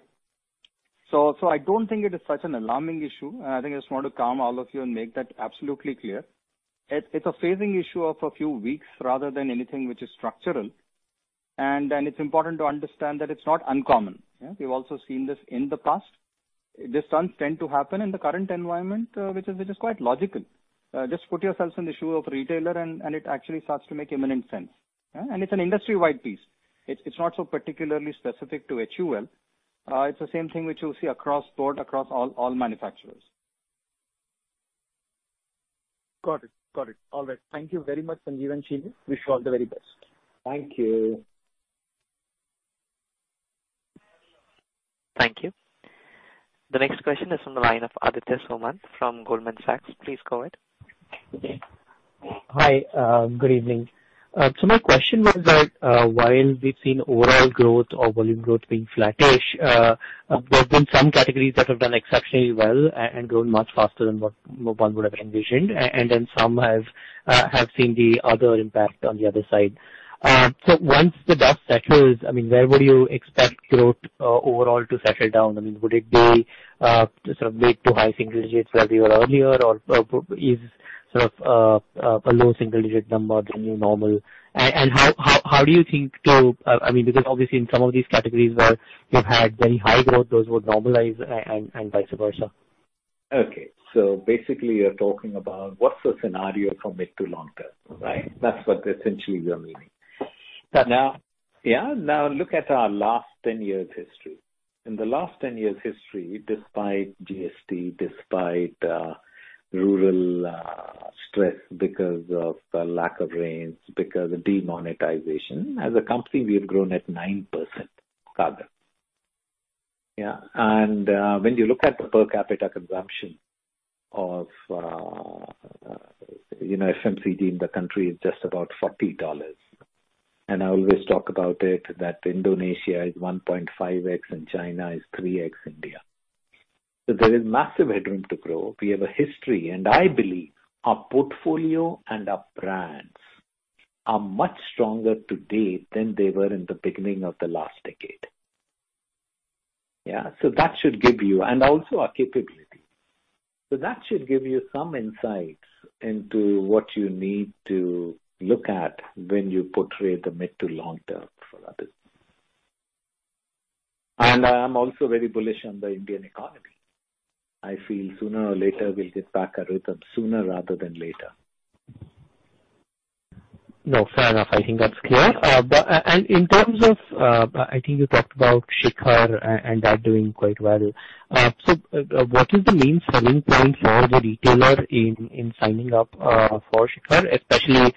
So I don't think it is such an alarming issue, and I think I just want to calm all of you and make that absolutely clear. It's a phasing issue of a few weeks rather than anything which is structural. And it's important to understand that it's not uncommon. We've also seen this in the past. This tends to happen in the current environment, which is quite logical. Just put yourself in the shoes of a retailer, and it actually starts to make inherent sense. And it's an industry-wide piece. It's not so particularly specific to HUL. It's the same thing which you see across the board, across all manufacturers. Got it. Got it. All right. Thank you very much, Sanjiv and Srini. Wish you all the very best. Thank you. Thank you. The next question is from the line of Aditesh Soman from Goldman Sachs. Please go ahead. Hi. Good evening. So my question was that while we've seen overall growth or volume growth being flattish, there have been some categories that have done exceptionally well and grown much faster than one would have envisioned, and then some have seen the other impact on the other side. So once the dust settles, I mean, where would you expect growth overall to settle down? I mean, would it be sort of mid to high single digits where we were earlier, or is sort of a low single digit number the new normal? And how do you think to, I mean, because obviously in some of these categories where you've had very high growth, those would normalize and vice versa. Okay. So basically, you're talking about what's the scenario for mid to long term, right? That's what essentially you're meaning. Now, yeah, now look at our last 10 years' history. In the last 10 years' history, despite GST, despite rural stress because of the lack of rains, because of demonetization, as a company, we have grown at 9%. Yeah. And when you look at the per capita consumption of FMCG in the country, it's just about $40. And I always talk about it that Indonesia is 1.5x and China is 3x India. So there is massive headroom to grow. We have a history, and I believe our portfolio and our brands are much stronger today than they were in the beginning of the last decade. Yeah. So that should give you, and also our capability. So that should give you some insights into what you need to look at when you portray the mid to long term for others. And I'm also very bullish on the Indian economy. I feel sooner or later we'll get back a rhythm, sooner rather than later. No, fair enough. I think that's clear. And in terms of, I think you talked about Shikhar and that doing quite well. So what is the main selling point for the retailer in signing up for Shikhar, especially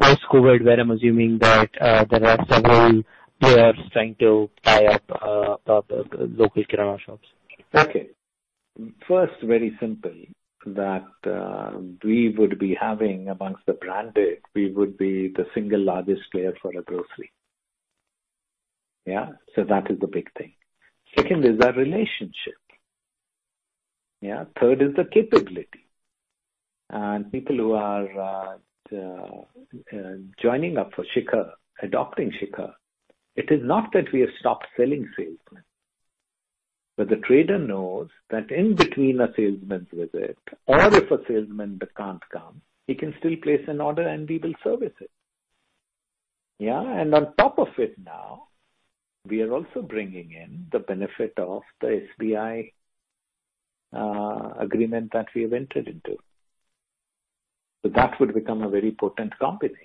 post-COVID, where I'm assuming that there are several players trying to tie up local Kirana shops? First, very simple, that we would be having amongst the branded, we would be the single largest player for a grocery. Yeah. So that is the big thing. Second is our relationship. Yeah. Third is the capability. And people who are joining up for Shikhar, adopting Shikhar, it is not that we have stopped selling salesmen. But the trader knows that in between a salesman's visit, or if a salesman can't come, he can still place an order and we will service it. Yeah. And on top of it now, we are also bringing in the benefit of the SBI agreement that we have entered into. So that would become a very potent combination.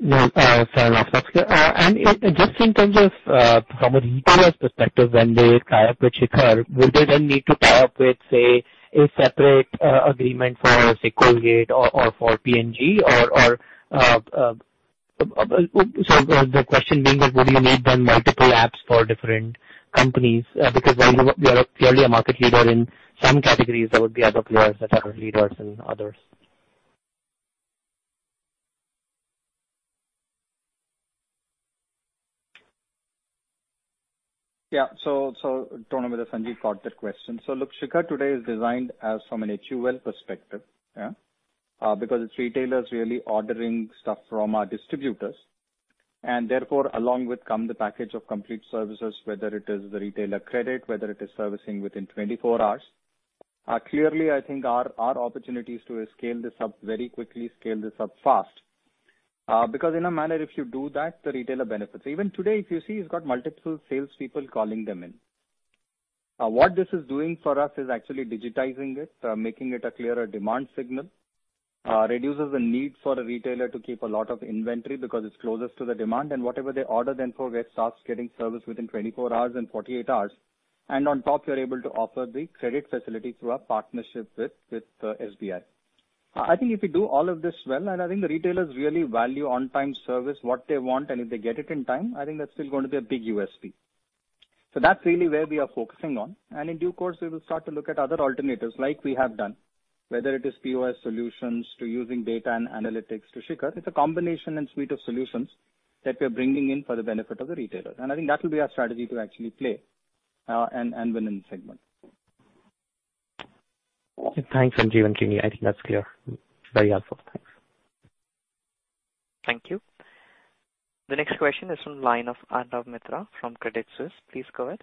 No, fair enough. That's good. And just in terms of from a retailer's perspective, when they tie up with Shikhar, would they then need to tie up with, say, a separate agreement for Colgate or for P&G? So the question being that would you need then multiple apps for different companies? Because while we are clearly a market leader in some categories, there would be other players that are leaders in others. Yeah. So I don't know whether Sanjiv caught that question. So look, Shikhar today is designed as from an HUL perspective, yeah, because it's retailers really ordering stuff from our distributors. And therefore, along with comes the package of complete services, whether it is the retailer credit, whether it is servicing within 24 hours. Clearly, I think our opportunities to scale this up very quickly, scale this up fast. Because in a manner, if you do that, the retailer benefits. Even today, if you see, he's got multiple salespeople calling them in. What this is doing for us is actually digitizing it, making it a clearer demand signal, reduces the need for a retailer to keep a lot of inventory because it's closest to the demand, and whatever they order then for that starts getting serviced within 24 hours and 48 hours. And on top, you're able to offer the credit facility through our partnership with SBI. I think if you do all of this well, and I think the retailers really value on-time service, what they want, and if they get it in time, I think that's still going to be a big USP. So that's really where we are focusing on. And in due course, we will start to look at other alternatives like we have done, whether it is POS solutions to using data and analytics to Shikhar. It's a combination and suite of solutions that we are bringing in for the benefit of the retailers. I think that will be our strategy to actually play and win in the segment. Thanks, Sanjiv and Srini. I think that's clear. Very helpful. Thanks. Thank you. The next question is from the line of Arnab Mitra from Credit Suisse. Please go ahead.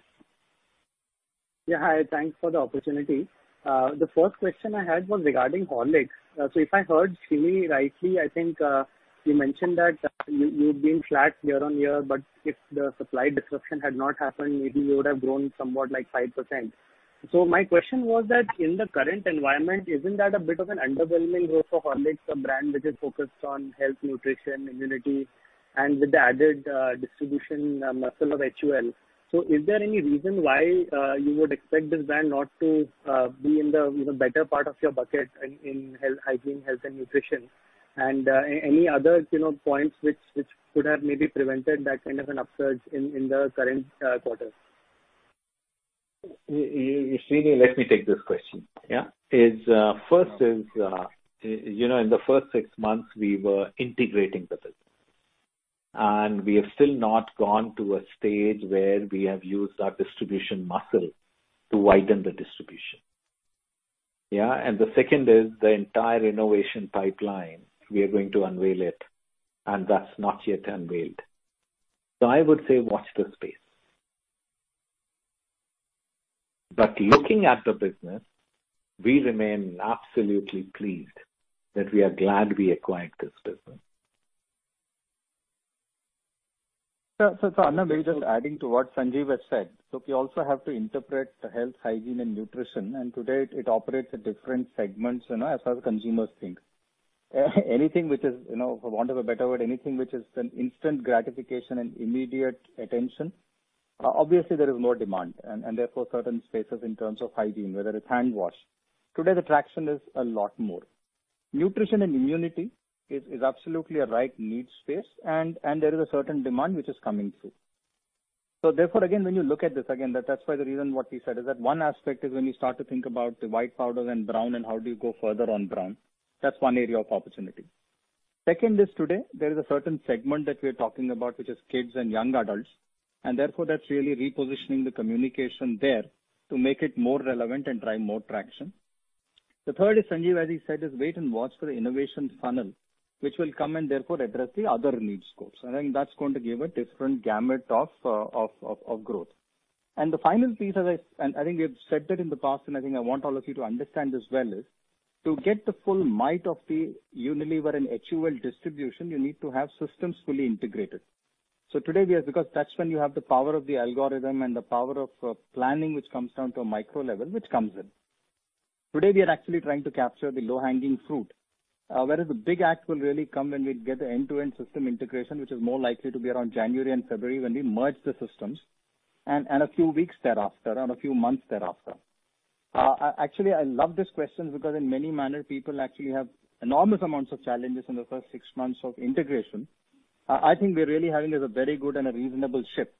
Yeah. Hi. Thanks for the opportunity. The first question I had was regarding Horlicks. So if I heard Srini rightly, I think you mentioned that you've been flat year on year, but if the supply disruption had not happened, maybe you would have grown somewhat like 5%. So my question was that in the current environment, isn't that a bit of an underwhelming growth for Horlicks, a brand which is focused on health, nutrition, immunity, and with the added distribution muscle of HUL? So is there any reason why you would expect this brand not to be in the better part of your bucket in hygiene, health, and nutrition, and any other points which could have maybe prevented that kind of an upsurge in the current quarter? You see, let me take this question. Yeah. First is in the first six months, we were integrating the business. And we have still not gone to a stage where we have used our distribution muscle to widen the distribution. Yeah. And the second is the entire innovation pipeline, we are going to unveil it, and that's not yet unveiled. So I would say watch the space. But looking at the business, we remain absolutely pleased that we are glad we acquired this business. So no, maybe just adding to what Sanjiv has said. Look, you also have to interpret health, hygiene, and nutrition, and today it operates at different segments as far as consumers think. Anything which is, for want of a better word, anything which is an instant gratification and immediate attention, obviously there is more demand. And therefore, certain spaces in terms of hygiene, whether it's handwash, today the traction is a lot more. Nutrition and immunity is absolutely a right need space, and there is a certain demand which is coming through. So therefore, again, when you look at this, again, that's why the reason what he said is that one aspect is when you start to think about the white powders and brown and how do you go further on brown. That's one area of opportunity. Second is today, there is a certain segment that we are talking about, which is kids and young adults. And therefore, that's really repositioning the communication there to make it more relevant and drive more traction. The third is, Sanjiv, as he said, is wait and watch for the innovation funnel, which will come and therefore address the other needs groups. I think that's going to give a different gamut of growth. And the final piece, and I think we have said that in the past, and I think I want all of you to understand this well, is to get the full might of the Unilever and HUL distribution, you need to have systems fully integrated. So today, because that's when you have the power of the algorithm and the power of planning, which comes down to a micro level, which comes in. Today, we are actually trying to capture the low-hanging fruit, whereas the big act will really come when we get the end-to-end system integration, which is more likely to be around January and February when we merge the systems and a few weeks thereafter, or a few months thereafter. Actually, I love this question because in many manners, people actually have enormous amounts of challenges in the first six months of integration. I think we're really having a very good and a reasonable shift.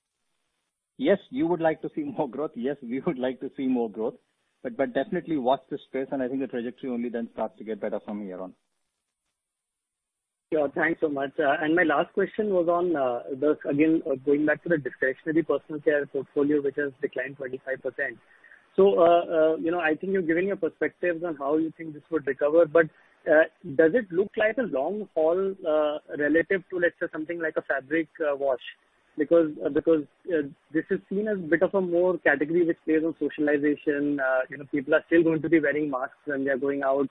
Yes, you would like to see more growth. Yes, we would like to see more growth. But definitely watch the space, and I think the trajectory only then starts to get better from here on. Sure. Thanks so much. And my last question was on this, again, going back to the discretionary personal care portfolio, which has declined 25%. So, I think you've given your perspectives on how you think this would recover, but does it look like a long haul relative to, let's say, something like a fabric wash? Because this is seen as a bit of a more category which plays on socialization. People are still going to be wearing masks when they're going out.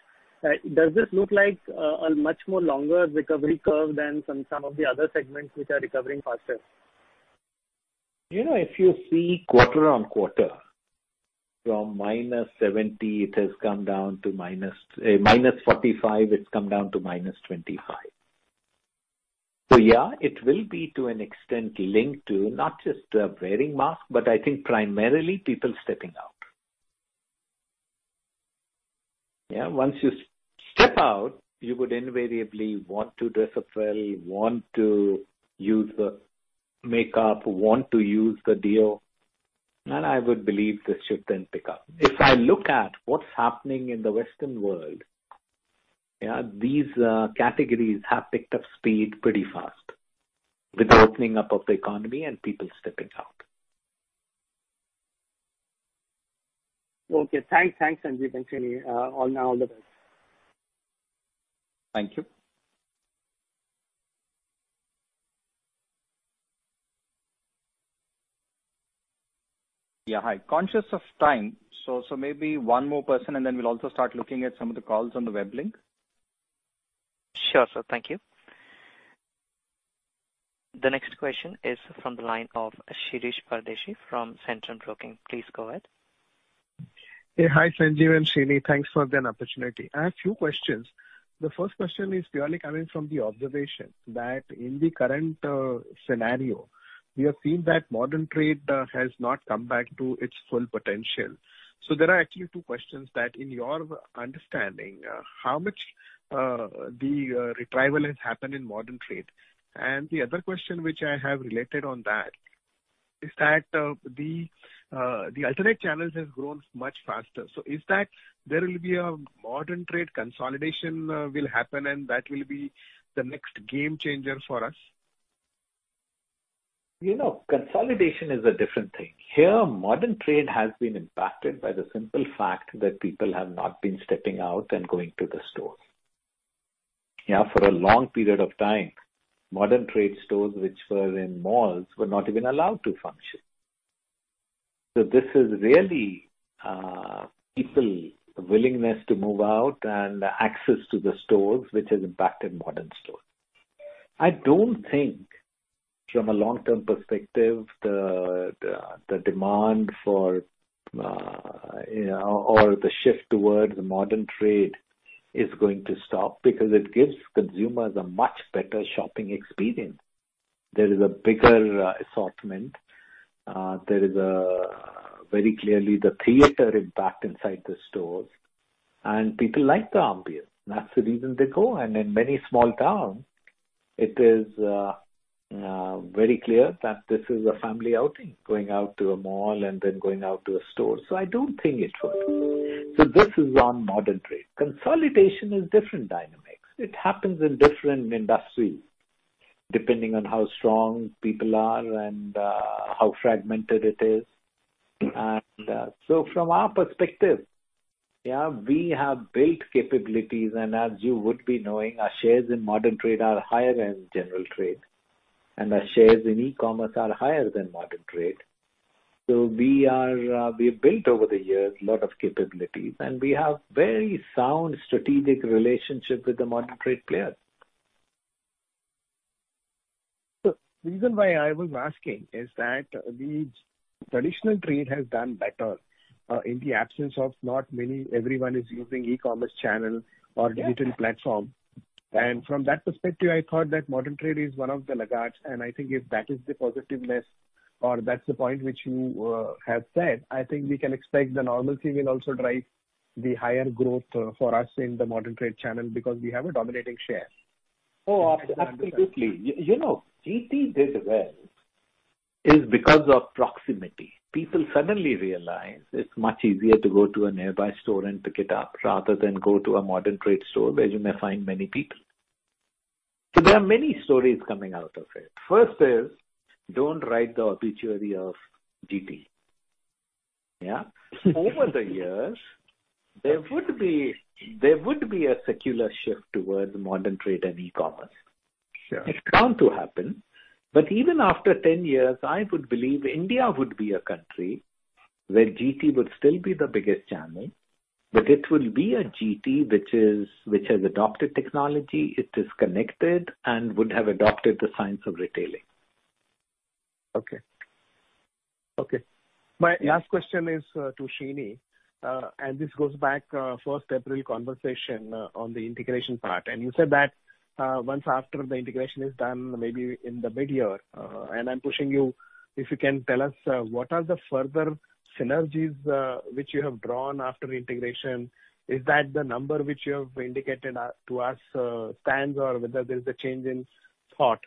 Does this look like a much more longer recovery curve than some of the other segments which are recovering faster? If you see quarter on quarter from -70%, it has come down to -45%, it's come down to -25%. So yeah, it will be to an extent linked to not just wearing masks, but I think primarily people stepping out. Yeah. Once you step out, you would invariably want to dress up well, want to use the makeup, want to use the deo. And I would believe this should then pick up. If I look at what's happening in the Western world, yeah, these categories have picked up speed pretty fast with the opening up of the economy and people stepping out. Okay. Thanks, Sanjiv and Srini. All the best. Thank you. Yeah. Hi. Conscious of time, so maybe one more person, and then we'll also start looking at some of the calls on the web link. Sure. Sir, thank you. The next question is from the line of Shirish Pardeshi from Centrum Broking. Please go ahead. Hey, hi, Sanjiv and Srini. Thanks for the opportunity. I have a few questions. The first question is purely coming from the observation that in the current scenario, we have seen that modern trade has not come back to its full potential. So there are actually two questions that in your understanding, how much the retrieval has happened in modern trade? And the other question which I have related on that is that the alternate channels have grown much faster. So is that there will be a modern trade consolidation will happen, and that will be the next game changer for us? Consolidation is a different thing. Here, modern trade has been impacted by the simple fact that people have not been stepping out and going to the store. Yeah. For a long period of time, modern trade stores which were in malls were not even allowed to function. So this is really people's willingness to move out and access to the stores which has impacted modern stores. I don't think from a long-term perspective, the demand for or the shift towards modern trade is going to stop because it gives consumers a much better shopping experience. There is a bigger assortment. There is very clearly the theater impact inside the stores. And people like the ambience. That's the reason they go. And in many small towns, it is very clear that this is a family outing, going out to a mall and then going out to a store. So I don't think it will. So this is on modern trade. Consolidation is different dynamics. It happens in different industries depending on how strong people are and how fragmented it is. And so from our perspective, yeah, we have built capabilities. And as you would be knowing, our shares in modern trade are higher than general trade. And our shares in e-commerce are higher than modern trade. So we built over the years a lot of capabilities, and we have very sound strategic relationships with the modern trade players. The reason why I was asking is that the traditional trade has done better in the absence of not many everyone is using e-commerce channel or digital platform, and from that perspective, I thought that modern trade is one of the laggards, and I think if that is the positiveness or that's the point which you have said, I think we can expect the normalcy will also drive the higher growth for us in the modern trade channel because we have a dominating share. Oh, absolutely. GT did well, is because of proximity. People suddenly realize it's much easier to go to a nearby store and pick it up rather than go to a modern trade store where you may find many people. So there are many stories coming out of it. First is don't write the obituary of GT. Yeah. Over the years, there would be a secular shift towards modern trade and e-commerce. It's bound to happen. But even after 10 years, I would believe India would be a country where GT would still be the biggest channel, but it will be a GT which has adopted technology, it is connected, and would have adopted the science of retailing. Okay. Okay. My last question is to Srini. And this goes back to the first April conversation on the integration part. And you said that once after the integration is done, maybe in the mid-year. And I'm pushing you, if you can tell us what are the further synergies which you have drawn after integration. Is that the number which you have indicated to us stands or whether there's a change in thought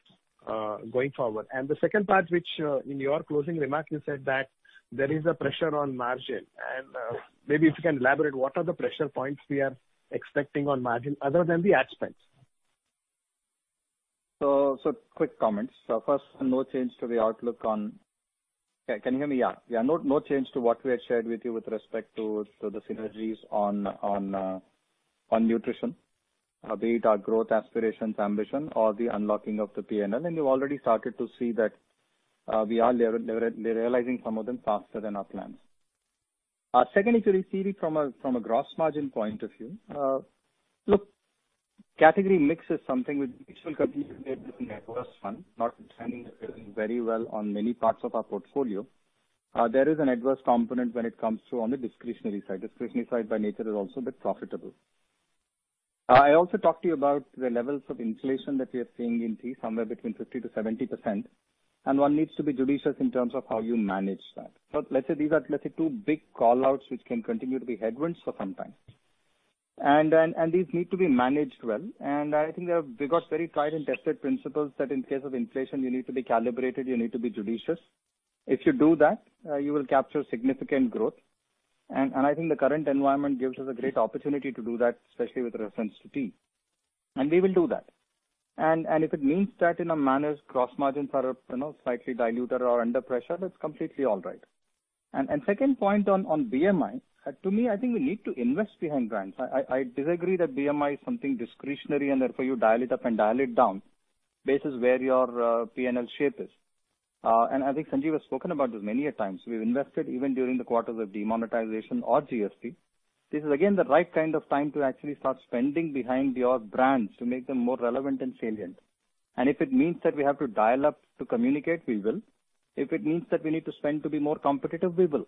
going forward? And the second part, which in your closing remark, you said that there is a pressure on margin. And maybe if you can elaborate, what are the pressure points we are expecting on margin other than the ad spend? So quick comments. So first, no change to the outlook on. Can you hear me? Yeah. Yeah. No change to what we had shared with you with respect to the synergies on nutrition, be it our growth aspirations, ambition, or the unlocking of the P&L. And you've already started to see that we are realizing some of them faster than our plans. Second, if you receive it from a gross margin point of view, look, category mix is something which will continue to be a bit of an adverse one, not very well on many parts of our portfolio. There is an adverse component when it comes to on the discretionary side. Discretionary side by nature is also a bit profitable. I also talked to you about the levels of inflation that we are seeing in tea, somewhere between 50%-70%. And one needs to be judicious in terms of how you manage that. But let's say these are two big callouts which can continue to be headwinds for some time. And these need to be managed well. And I think there are very tried and tested principles that in case of inflation, you need to be calibrated, you need to be judicious. If you do that, you will capture significant growth. I think the current environment gives us a great opportunity to do that, especially with reference to tea. We will do that. If it means that our gross margins are slightly diluted or under pressure, that's completely all right. Second point on BMI, to me, I think we need to invest behind brands. I disagree that BMI is something discretionary and therefore you dial it up and dial it down based on where your P&L shape is. I think Sanjiv has spoken about this many times. We've invested even during the quarters of demonetization or GST. This is again the right kind of time to actually start spending behind your brands to make them more relevant and salient. If it means that we have to dial up to communicate, we will. If it means that we need to spend to be more competitive, we will.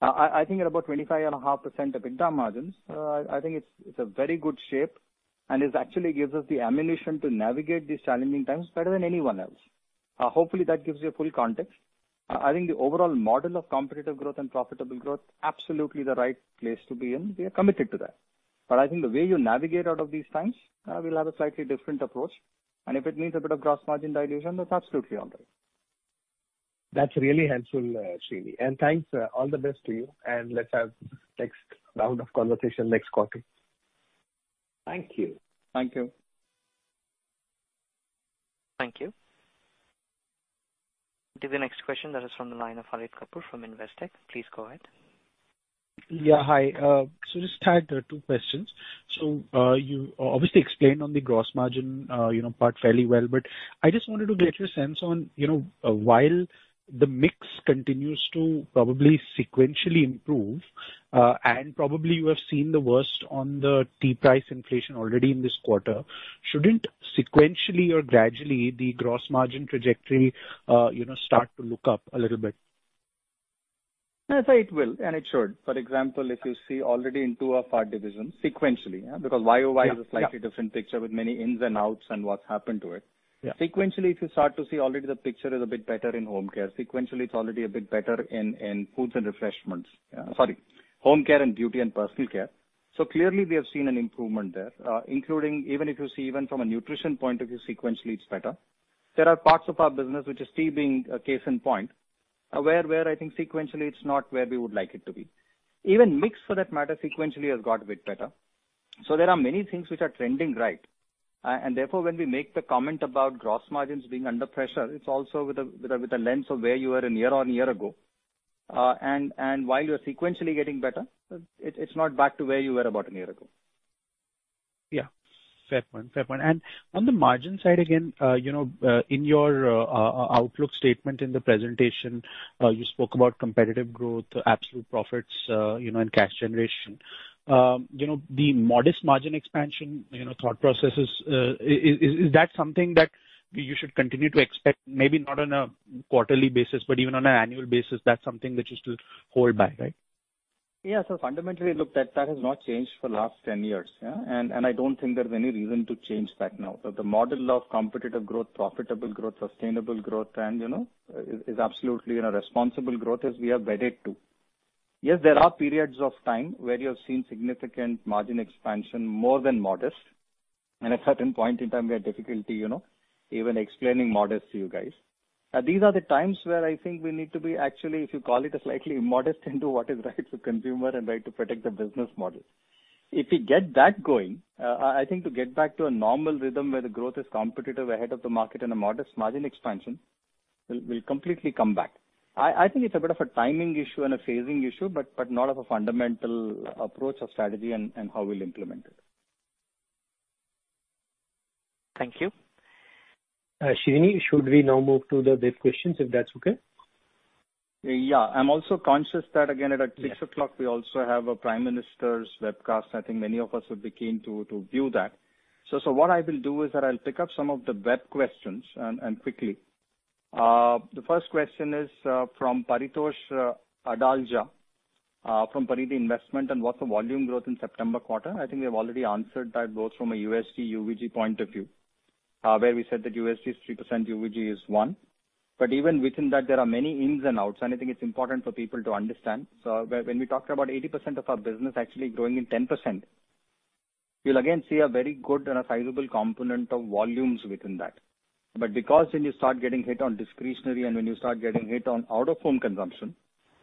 I think at about 25.5% operating margin, I think it's a very good shape and it actually gives us the ammunition to navigate these challenging times better than anyone else. Hopefully, that gives you a full context. I think the overall model of competitive growth and profitable growth, absolutely the right place to be in. We are committed to that. But I think the way you navigate out of these times, we'll have a slightly different approach. And if it means a bit of gross margin dilution, that's absolutely all right. That's really helpful, Srini. And thanks. All the best to you. And let's have the next round of conversation next quarter. Thank you. Thank you. Thank you. To the next question, that is from the line of Harit Kapoor from Investec. Please go ahead. Yeah. Hi. So just had two questions. So you obviously explained on the gross margin part fairly well, but I just wanted to get your sense on while the mix continues to probably sequentially improve, and probably you have seen the worst on the tea price inflation already in this quarter, shouldn't sequentially or gradually the gross margin trajectory start to look up a little bit? I'd say it will, and it should. For example, if you see already in two of our divisions, sequentially, because YOY is a slightly different picture with many ins and outs and what's happened to it. Sequentially, if you start to see already the picture is a bit better in home care. Sequentially, it's already a bit better in Foods & Refreshments. Sorry. Home care and beauty and personal care. So clearly, we have seen an improvement there, including even if you see even from a nutrition point of view, sequentially, it's better. There are parts of our business which are still being a case in point where I think sequentially, it's not where we would like it to be. Even mix for that matter, sequentially has got a bit better. So there are many things which are trending right. And therefore, when we make the comment about gross margins being under pressure, it's also with a lens of where you were a year or a year ago. And while you're sequentially getting better, it's not back to where you were about a year ago. Yeah. Fair point. Fair point. And on the margin side again, in your outlook statement in the presentation, you spoke about competitive growth, absolute profits, and cash generation. The modest margin expansion thought process is, that something that you should continue to expect, maybe not on a quarterly basis, but even on an annual basis, that's something that you still abide by, right? Yeah. So fundamentally, look, that has not changed for the last 10 years. And I don't think there's any reason to change that now. So the model of competitive growth, profitable growth, sustainable growth, and it is absolutely responsible growth as we have committed to. Yes, there are periods of time where you have seen significant margin expansion, more than modest. And at a certain point in time, we had difficulty even explaining modest to you guys. These are the times where I think we need to be actually, if you call it a slightly modest, and do what is right for consumer and right to protect the business model. If we get that going, I think to get back to a normal rhythm where the growth is competitive ahead of the market and a modest margin expansion will completely come back. I think it's a bit of a timing issue and a phasing issue, but not of a fundamental approach or strategy and how we'll implement it. Thank you. Srini, should we now move to the Q&A questions if that's okay? Yeah. I'm also conscious that again, at 6 o'clock, we also have a Prime Minister's webcast. I think many of us would be keen to view that. So what I will do is that I'll pick up some of the web questions quickly. The first question is from Paritosh Adalja from Parag Parikh Financial Advisory Services and what's the volume growth in September quarter? I think we have already answered that both from a USG/UVG point of view, where we said that USG is 3%, UVG is one. But even within that, there are many ins and outs. And I think it's important for people to understand. So when we talked about 80% of our business actually growing in 10%, you'll again see a very good and a sizable component of volumes within that. But because then you start getting hit on discretionary and when you start getting hit on out-of-home consumption,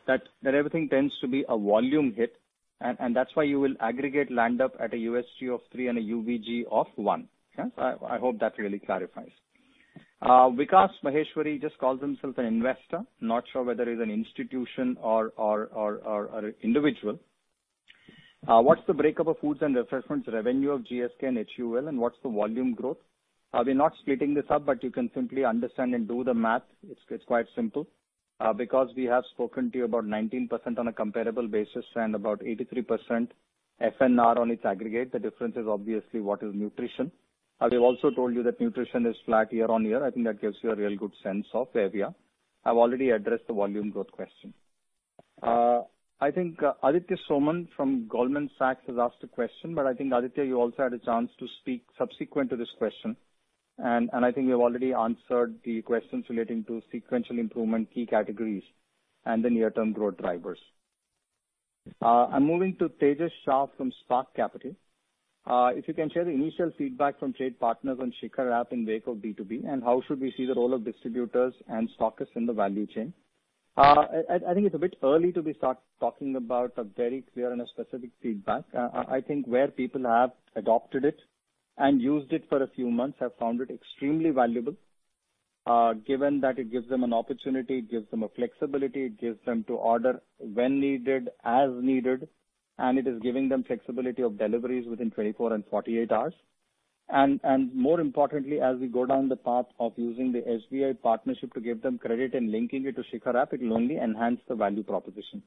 that everything tends to be a volume hit. And that's why you will aggregate and end up at a USG of three and a UVG of one. I hope that really clarifies. Vikas Maheshwari just calls himself an investor. Not sure whether he's an institution or an individual. What's the breakdown of Foods & Refreshments revenue of GSK and HUL, and what's the volume growth? We're not splitting this up, but you can simply understand and do the math. It's quite simple because we have spoken to you about 19% on a comparable basis and about 83% FNR on its aggregate. The difference is obviously what is nutrition. I also told you that nutrition is flat year on year. I think that gives you a real good sense of where we are. I've already addressed the volume growth question. I think Aditesh Soman from Goldman Sachs has asked a question, but I think Aditesh, you also had a chance to speak subsequent to this question. And I think we have already answered the questions relating to sequential improvement key categories and the near-term growth drivers. I'm moving to Tejas Shah from Spark Capital. If you can share the initial feedback from trade partners on Shikhar app in HUL's B2B, and how should we see the role of distributors and stockists in the value chain? I think it's a bit early to be talking about a very clear and a specific feedback. I think where people have adopted it and used it for a few months have found it extremely valuable, given that it gives them an opportunity, it gives them flexibility, it gives them to order when needed, as needed, and it is giving them flexibility of deliveries within 24 and 48 hours. And more importantly, as we go down the path of using the SBI partnership to give them credit and linking it to Shikhar app, it will only enhance the value proposition.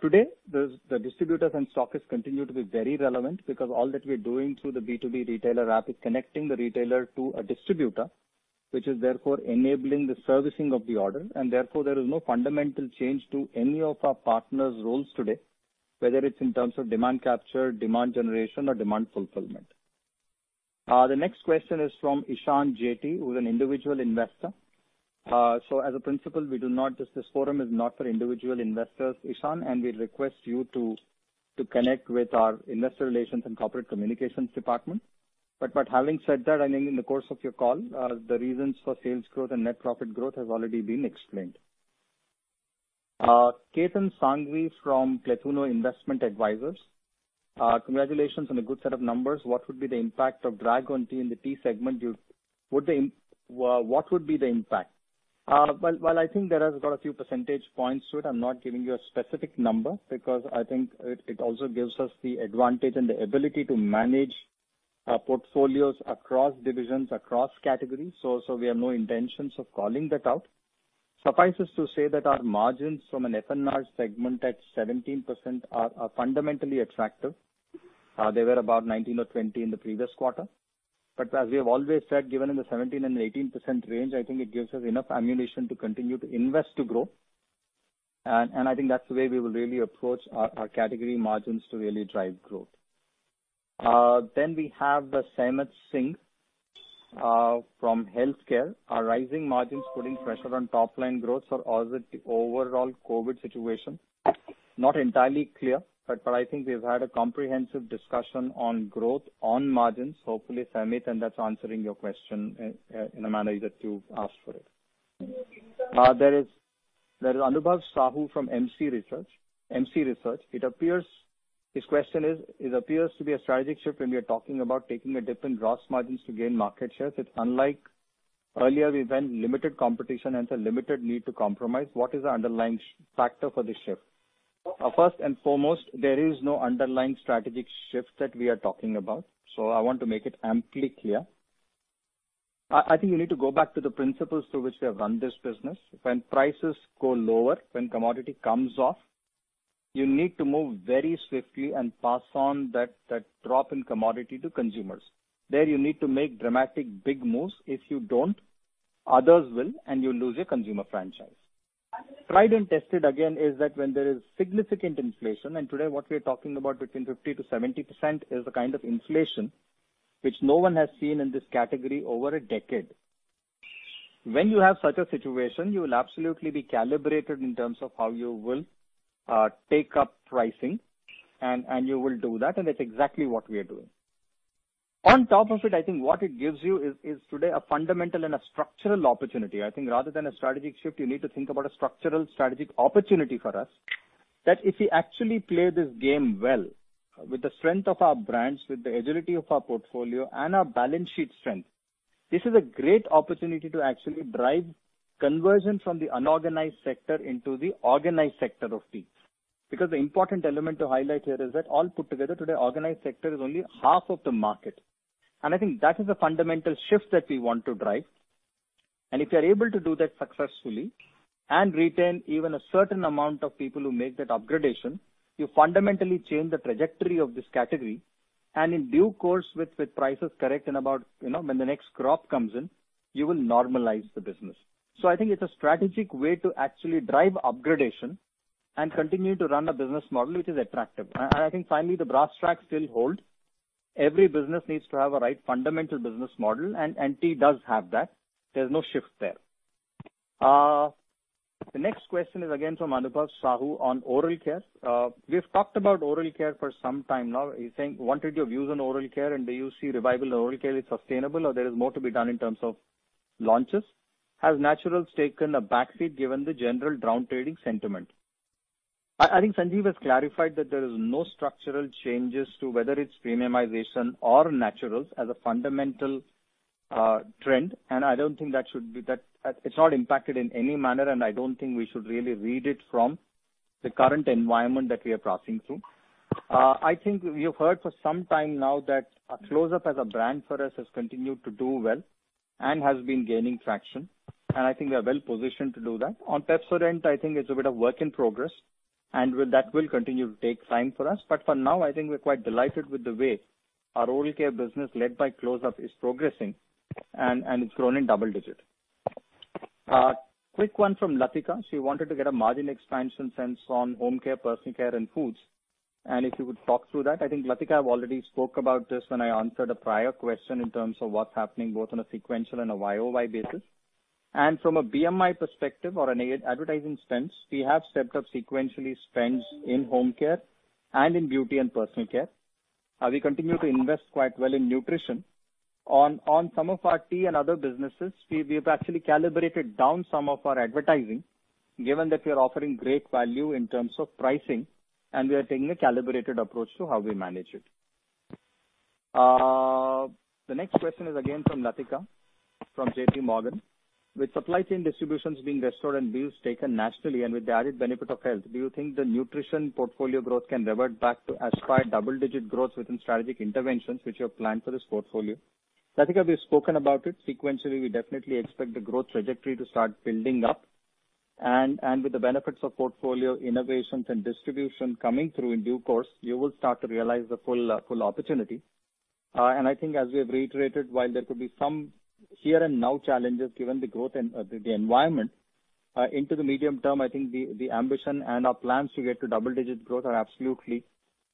Today, the distributors and stockists continue to be very relevant because all that we are doing through the B2B retailer app is connecting the retailer to a distributor, which is therefore enabling the servicing of the order, and therefore there is no fundamental change to any of our partners' roles today, whether it's in terms of demand capture, demand generation, or demand fulfillment. The next question is from Ishaan Jethwani, who is an individual investor. As a principle, we do not; just this forum is not for individual investors, Ishaan, and we request you to connect with our investor relations and corporate communications department, but having said that, I think in the course of your call, the reasons for sales growth and net profit growth have already been explained. Ketan Sangvi from Klethuno Investment Advisors, congratulations on a good set of numbers. What would be the impact of drag on tea in the tea segment? What would be the impact? Well, I think there has got a few percentage points to it. I'm not giving you a specific number because I think it also gives us the advantage and the ability to manage portfolios across divisions, across categories. So we have no intentions of calling that out. Suffice it to say that our margins from an F&R segment at 17% are fundamentally attractive. They were about 19 or 20 in the previous quarter. But as we have always said, given in the 17%-18% range, I think it gives us enough ammunition to continue to invest to grow. And I think that's the way we will really approach our category margins to really drive growth. Then we have the Sameer Singh from Haitong. Are rising margins putting pressure on top-line growth or overall COVID situation? Not entirely clear, but I think we've had a comprehensive discussion on growth on margins. Hopefully, Sameer, and that's answering your question in a manner that you asked for it. There is Anubhav Sahu from Emkay Research. Emkay Research, his question is, it appears to be a strategic shift when we are talking about taking a dip in gross margins to gain market share. It's unlike earlier we've had limited competition and the limited need to compromise. What is the underlying factor for the shift? First and foremost, there is no underlying strategic shift that we are talking about. So I want to make it amply clear. I think you need to go back to the principles through which we have run this business. When prices go lower, when commodity comes off, you need to move very swiftly and pass on that drop in commodity to consumers. There you need to make dramatic big moves. If you don't, others will, and you'll lose your consumer franchise. Tried and tested again is that when there is significant inflation, and today what we are talking about between 50%-70% is the kind of inflation which no one has seen in this category over a decade. When you have such a situation, you will absolutely be calibrated in terms of how you will take up pricing, and you will do that, and that's exactly what we are doing. On top of it, I think what it gives you is today a fundamental and a structural opportunity. I think rather than a strategic shift, you need to think about a structural strategic opportunity for us that if we actually play this game well with the strength of our brands, with the agility of our portfolio, and our balance sheet strength, this is a great opportunity to actually drive conversion from the unorganized sector into the organized sector of tea. Because the important element to highlight here is that all put together today, organized sector is only half of the market. And I think that is a fundamental shift that we want to drive. And if you're able to do that successfully and retain even a certain amount of people who make that upgradation, you fundamentally change the trajectory of this category. And in due course, with prices correct and about when the next crop comes in, you will normalize the business. So I think it's a strategic way to actually drive upgradation and continue to run a business model which is attractive. And I think finally, the brass tacks still hold. Every business needs to have a right fundamental business model, and tea does have that. There's no shift there. The next question is again from Anubhav Sahu on oral care. We've talked about oral care for some time now. He's saying, "Wanted your views on oral care, and do you see revival in oral care is sustainable, or there is more to be done in terms of launches? Has naturals taken a backseat given the general downgrading sentiment?" I think Sanjiv has clarified that there are no structural changes to whether it's premiumization or naturals as a fundamental trend. I don't think that should be that it's not impacted in any manner, and I don't think we should really read it from the current environment that we are passing through. I think you've heard for some time now that Close-Up as a brand for us has continued to do well and has been gaining traction. I think we are well positioned to do that. On Pepsodent, I think it's a bit of work in progress, and that will continue to take time for us. But for now, I think we're quite delighted with the way our oral care business led by Close-Up is progressing, and it's grown in double digit. Quick one from Latika. She wanted to get a margin expansion sense on home care, personal care, and foods. If you would talk through that. I think Latika have already spoke about this when I answered a prior question in terms of what's happening both on a sequential and a YOY basis. And from a BMI perspective or an advertising stance, we have stepped up sequentially spends in home care and in beauty and personal care. We continue to invest quite well in nutrition. On some of our tea and other businesses, we've actually calibrated down some of our advertising, given that we are offering great value in terms of pricing, and we are taking a calibrated approach to how we manage it. The next question is again from Latika from JPMorgan. With supply chain distributions being restored and Boost taken nationally and with the added benefit of Horlicks, do you think the nutrition portfolio growth can revert back to its prior double-digit growth with strategic interventions which you have planned for this portfolio? Latika, we've spoken about it. Sequentially, we definitely expect the growth trajectory to start building up. With the benefits of portfolio innovations and distribution coming through in due course, you will start to realize the full opportunity. I think, as we have reiterated, while there could be some here and now challenges given the growth and the environment, into the medium term, I think the ambition and our plans to get to double-digit growth are absolutely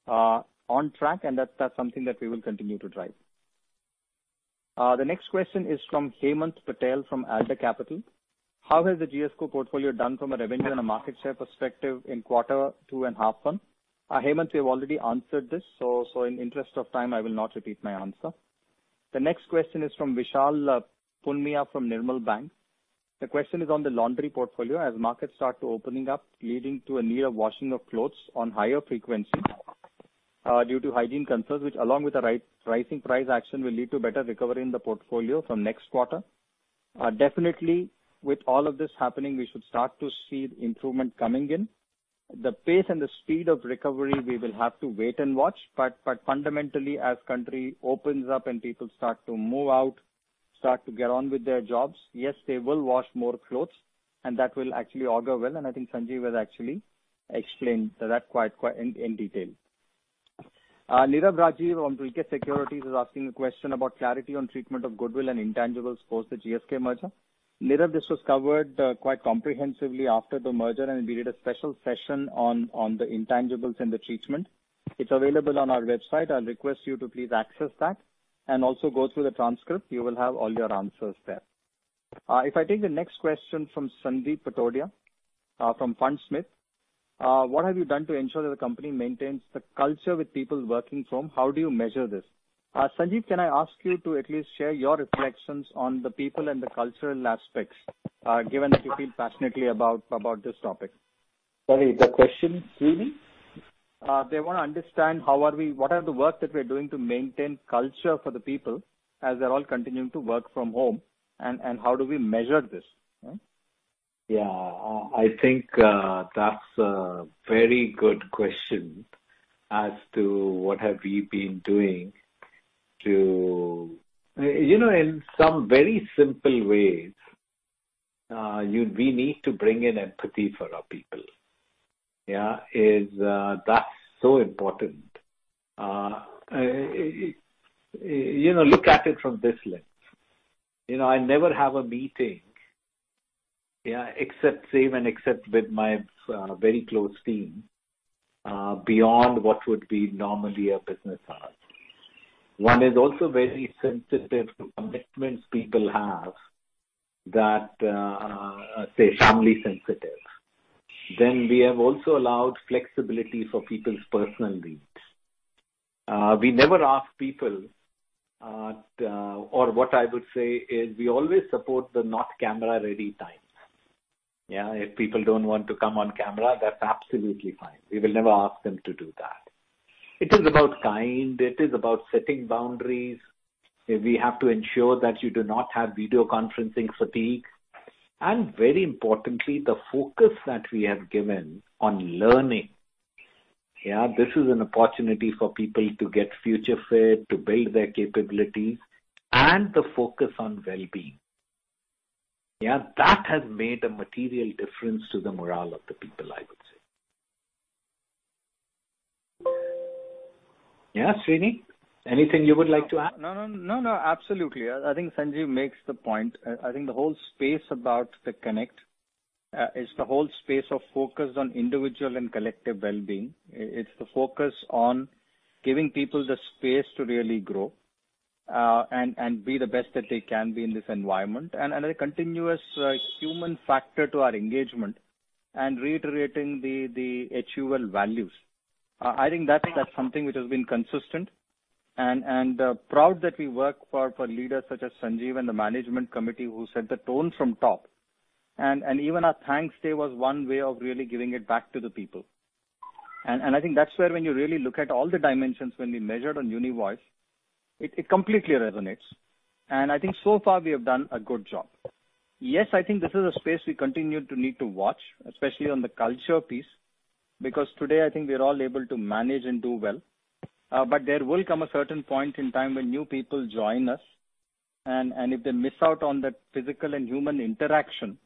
on track, and that's something that we will continue to drive. The next question is from Hemant Patel from Axis Capital. How has the GSK portfolio done from a revenue and a market share perspective in quarter two and half one? Hemant, we have already answered this, so in interest of time, I will not repeat my answer. The next question is from Vishal Punmiya from Nirmal Bang. The question is on the laundry portfolio as markets start to open up, leading to a near washing of clothes on higher frequency due to hygiene concerns, which along with the rising price action will lead to better recovery in the portfolio from next quarter. Definitely, with all of this happening, we should start to see the improvement coming in. The pace and the speed of recovery, we will have to wait and watch. But fundamentally, as country opens up and people start to move out, start to get on with their jobs, yes, they will wash more clothes, and that will actually augur well. And I think Sanjiv has actually explained that quite in detail. Nirav Savai from Antique Stock Broking is asking a question about clarity on treatment of goodwill and intangibles post the GSK merger. Nirav, this was covered quite comprehensively after the merger, and we did a special session on the intangibles and the treatment. It's available on our website. I'll request you to please access that and also go through the transcript. You will have all your answers there. If I take the next question from Sandeep Patodia from Fundsmith, what have you done to ensure that the company maintains the culture with people working from? How do you measure this? Sanjiv, can I ask you to at least share your reflections on the people and the cultural aspects, given that you feel passionately about this topic? Sorry, the question? Excuse me. They want to understand how are we what are the work that we're doing to maintain culture for the people as they're all continuing to work from home, and how do we measure this? I think that's a very good question as to what have we been doing to in some very simple ways. We need to bring in empathy for our people. Yeah, that's so important. Look at it from this lens. I never have a meeting except save and except with my very close team beyond what would be normally a business hour. One is also very sensitive to commitments people have that say family sensitive. Then we have also allowed flexibility for people's personal needs. We never ask people or what I would say is we always support the not camera ready times. Yeah, if people don't want to come on camera, that's absolutely fine. We will never ask them to do that. It is about kind. It is about setting boundaries. We have to ensure that you do not have video conferencing fatigue. Very importantly, the focus that we have given on learning, yeah. This is an opportunity for people to get future fit, to build their capabilities, and the focus on well-being. Yeah, that has made a material difference to the morale of the people, I would say. Yeah, Srini, anything you would like to add? No, no, no, no, no. Absolutely. I think Sanjiv makes the point. I think the whole space about the connect is the whole space of focus on individual and collective well-being. It's the focus on giving people the space to really grow and be the best that they can be in this environment and a continuous human factor to our engagement and reiterating the HUL values. I think that's something which has been consistent and proud that we work for leaders such as Sanjiv and the management committee who set the tone from top. And even our Thanks Day was one way of really giving it back to the people. And I think that's where when you really look at all the dimensions, when we measured on UniVoice, it completely resonates. And I think so far we have done a good job. Yes, I think this is a space we continue to need to watch, especially on the culture piece, because today I think we're all able to manage and do well. But there will come a certain point in time when new people join us, and if they miss out on that physical and human interaction,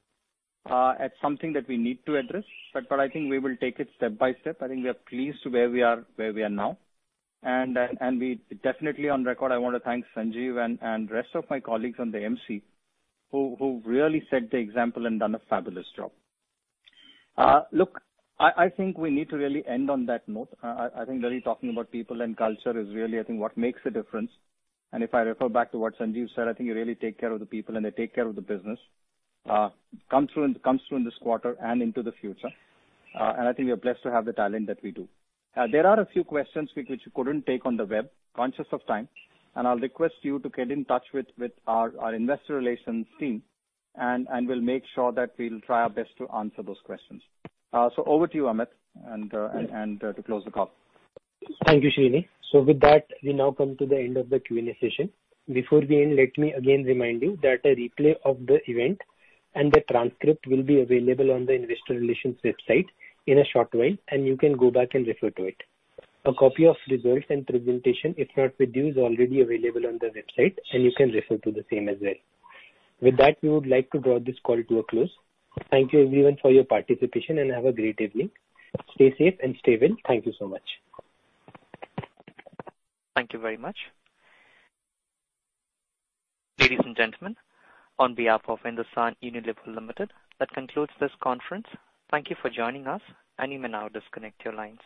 it's something that we need to address. But I think we will take it step by step. I think we are pleased where we are now. And definitely on record, I want to thank Sanjiv and the rest of my colleagues on the MC who really set the example and done a fabulous job. Look, I think we need to really end on that note. I think really talking about people and culture is really, I think, what makes a difference. And if I refer back to what Sanjiv said, I think you really take care of the people, and they take care of the business, comes through in this quarter and into the future. And I think we are blessed to have the talent that we do. There are a few questions which we couldn't take on the web, conscious of time. And I'll request you to get in touch with our investor relations team, and we'll make sure that we'll try our best to answer those questions. So over to you, Amit, and to close the call. Thank you, Srini. So with that, we now come to the end of the Q&A session. Before we end, let me again remind you that a replay of the event and the transcript will be available on the investor relations website in a short while, and you can go back and refer to it. A copy of results and presentation, if not with you, is already available on the website, and you can refer to the same as well. With that, we would like to draw this call to a close. Thank you, everyone, for your participation, and have a great evening. Stay safe and stay well. Thank you so much. Thank you very much. Ladies and gentlemen, on behalf of Hindustan Unilever Limited, that concludes this conference. Thank you for joining us, and you may now disconnect your lines.